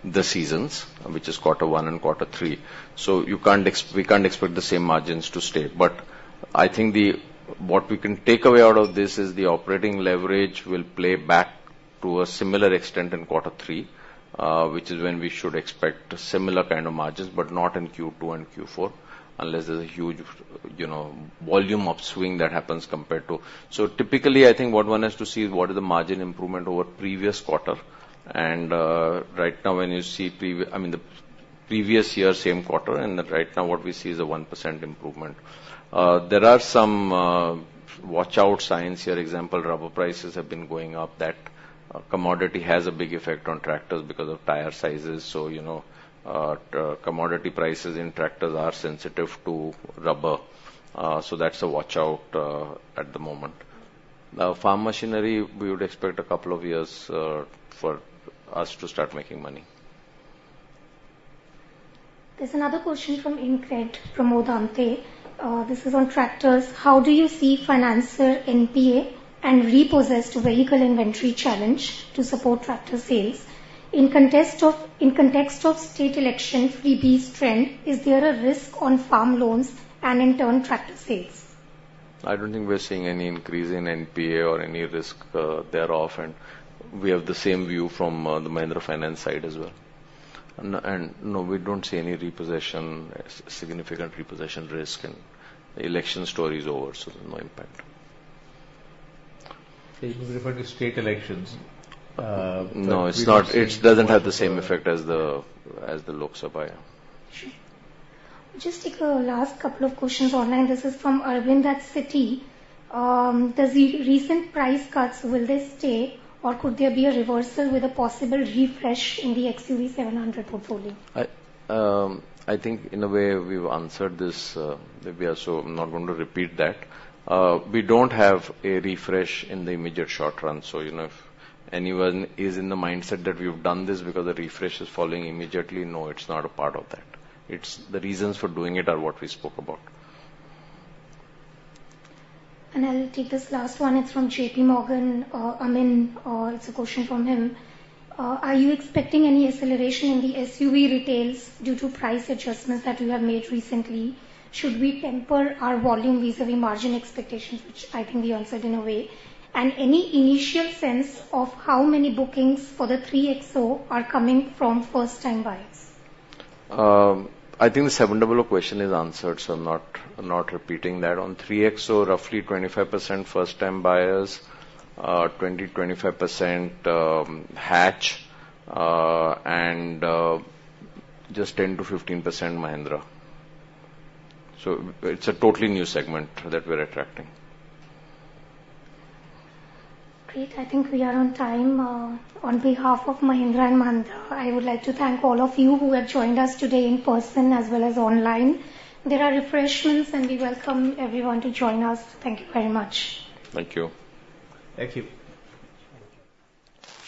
the seasons, which is quarter one and quarter three. So you can't—we can't expect the same margins to stay. But I think the. What we can take away out of this is the operating leverage will play back to a similar extent in quarter three, which is when we should expect similar kind of margins, but not in Q2 and Q4, unless there's a huge, you know, volume upswing that happens compared to. So typically, I think what one has to see is what is the margin improvement over previous quarter. And right now, when you see, I mean, the previous year, same quarter, and right now, what we see is a 1% improvement. There are some watch-out signs here. Example, rubber prices have been going up. That commodity has a big effect on tractors because of tire sizes. So, you know, commodity prices in tractors are sensitive to rubber, so that's a watch-out at the moment. Now, farm machinery, we would expect a couple of years for us to start making money. There's another question from InCred, Pramod Amthe. This is on tractors. How do you see financer NPA and repossessed vehicle inventory challenge to support tractor sales? In context of state elections, freebies trend, is there a risk on farm loans and, in turn, tractor sales? I don't think we're seeing any increase in NPA or any risk thereof, and we have the same view from the Mahindra Finance side as well. And no, we don't see any repossession, significant repossession risk, and the election story is over, so there's no impact. He was referring to state elections. No, it's not. It doesn't have the same effect as the Lok Sabha. Sure. Just take a last couple of questions online. This is from Arvind at Citi. The recent price cuts, will they stay, or could there be a reversal with a possible refresh in the XUV700 portfolio? I think in a way, we've answered this, so I'm not going to repeat that. We don't have a refresh in the immediate short run, so, you know, if anyone is in the mindset that we've done this because a refresh is falling immediately, no, it's not a part of that. It's. The reasons for doing it are what we spoke about. And I'll take this last one. It's from J.P. Morgan, Amyn. It's a question from him. Are you expecting any acceleration in the SUV retails due to price adjustments that you have made recently? Should we temper our volume vis-à-vis margin expectations? Which I think we answered in a way. And any initial sense of how many bookings for the 3XO are coming from first-time buyers? I think the Seven Double O question is answered, so I'm not, I'm not repeating that. On 3XO, roughly 25% first-time buyers, 20-25% hatch, and just 10%-15% Mahindra. So it's a totally new segment that we're attracting. Great. I think we are on time. On behalf of Mahindra & Mahindra, I would like to thank all of you who have joined us today in person as well as online. There are refreshments, and we welcome everyone to join us. Thank you very much. Thank you. Thank you.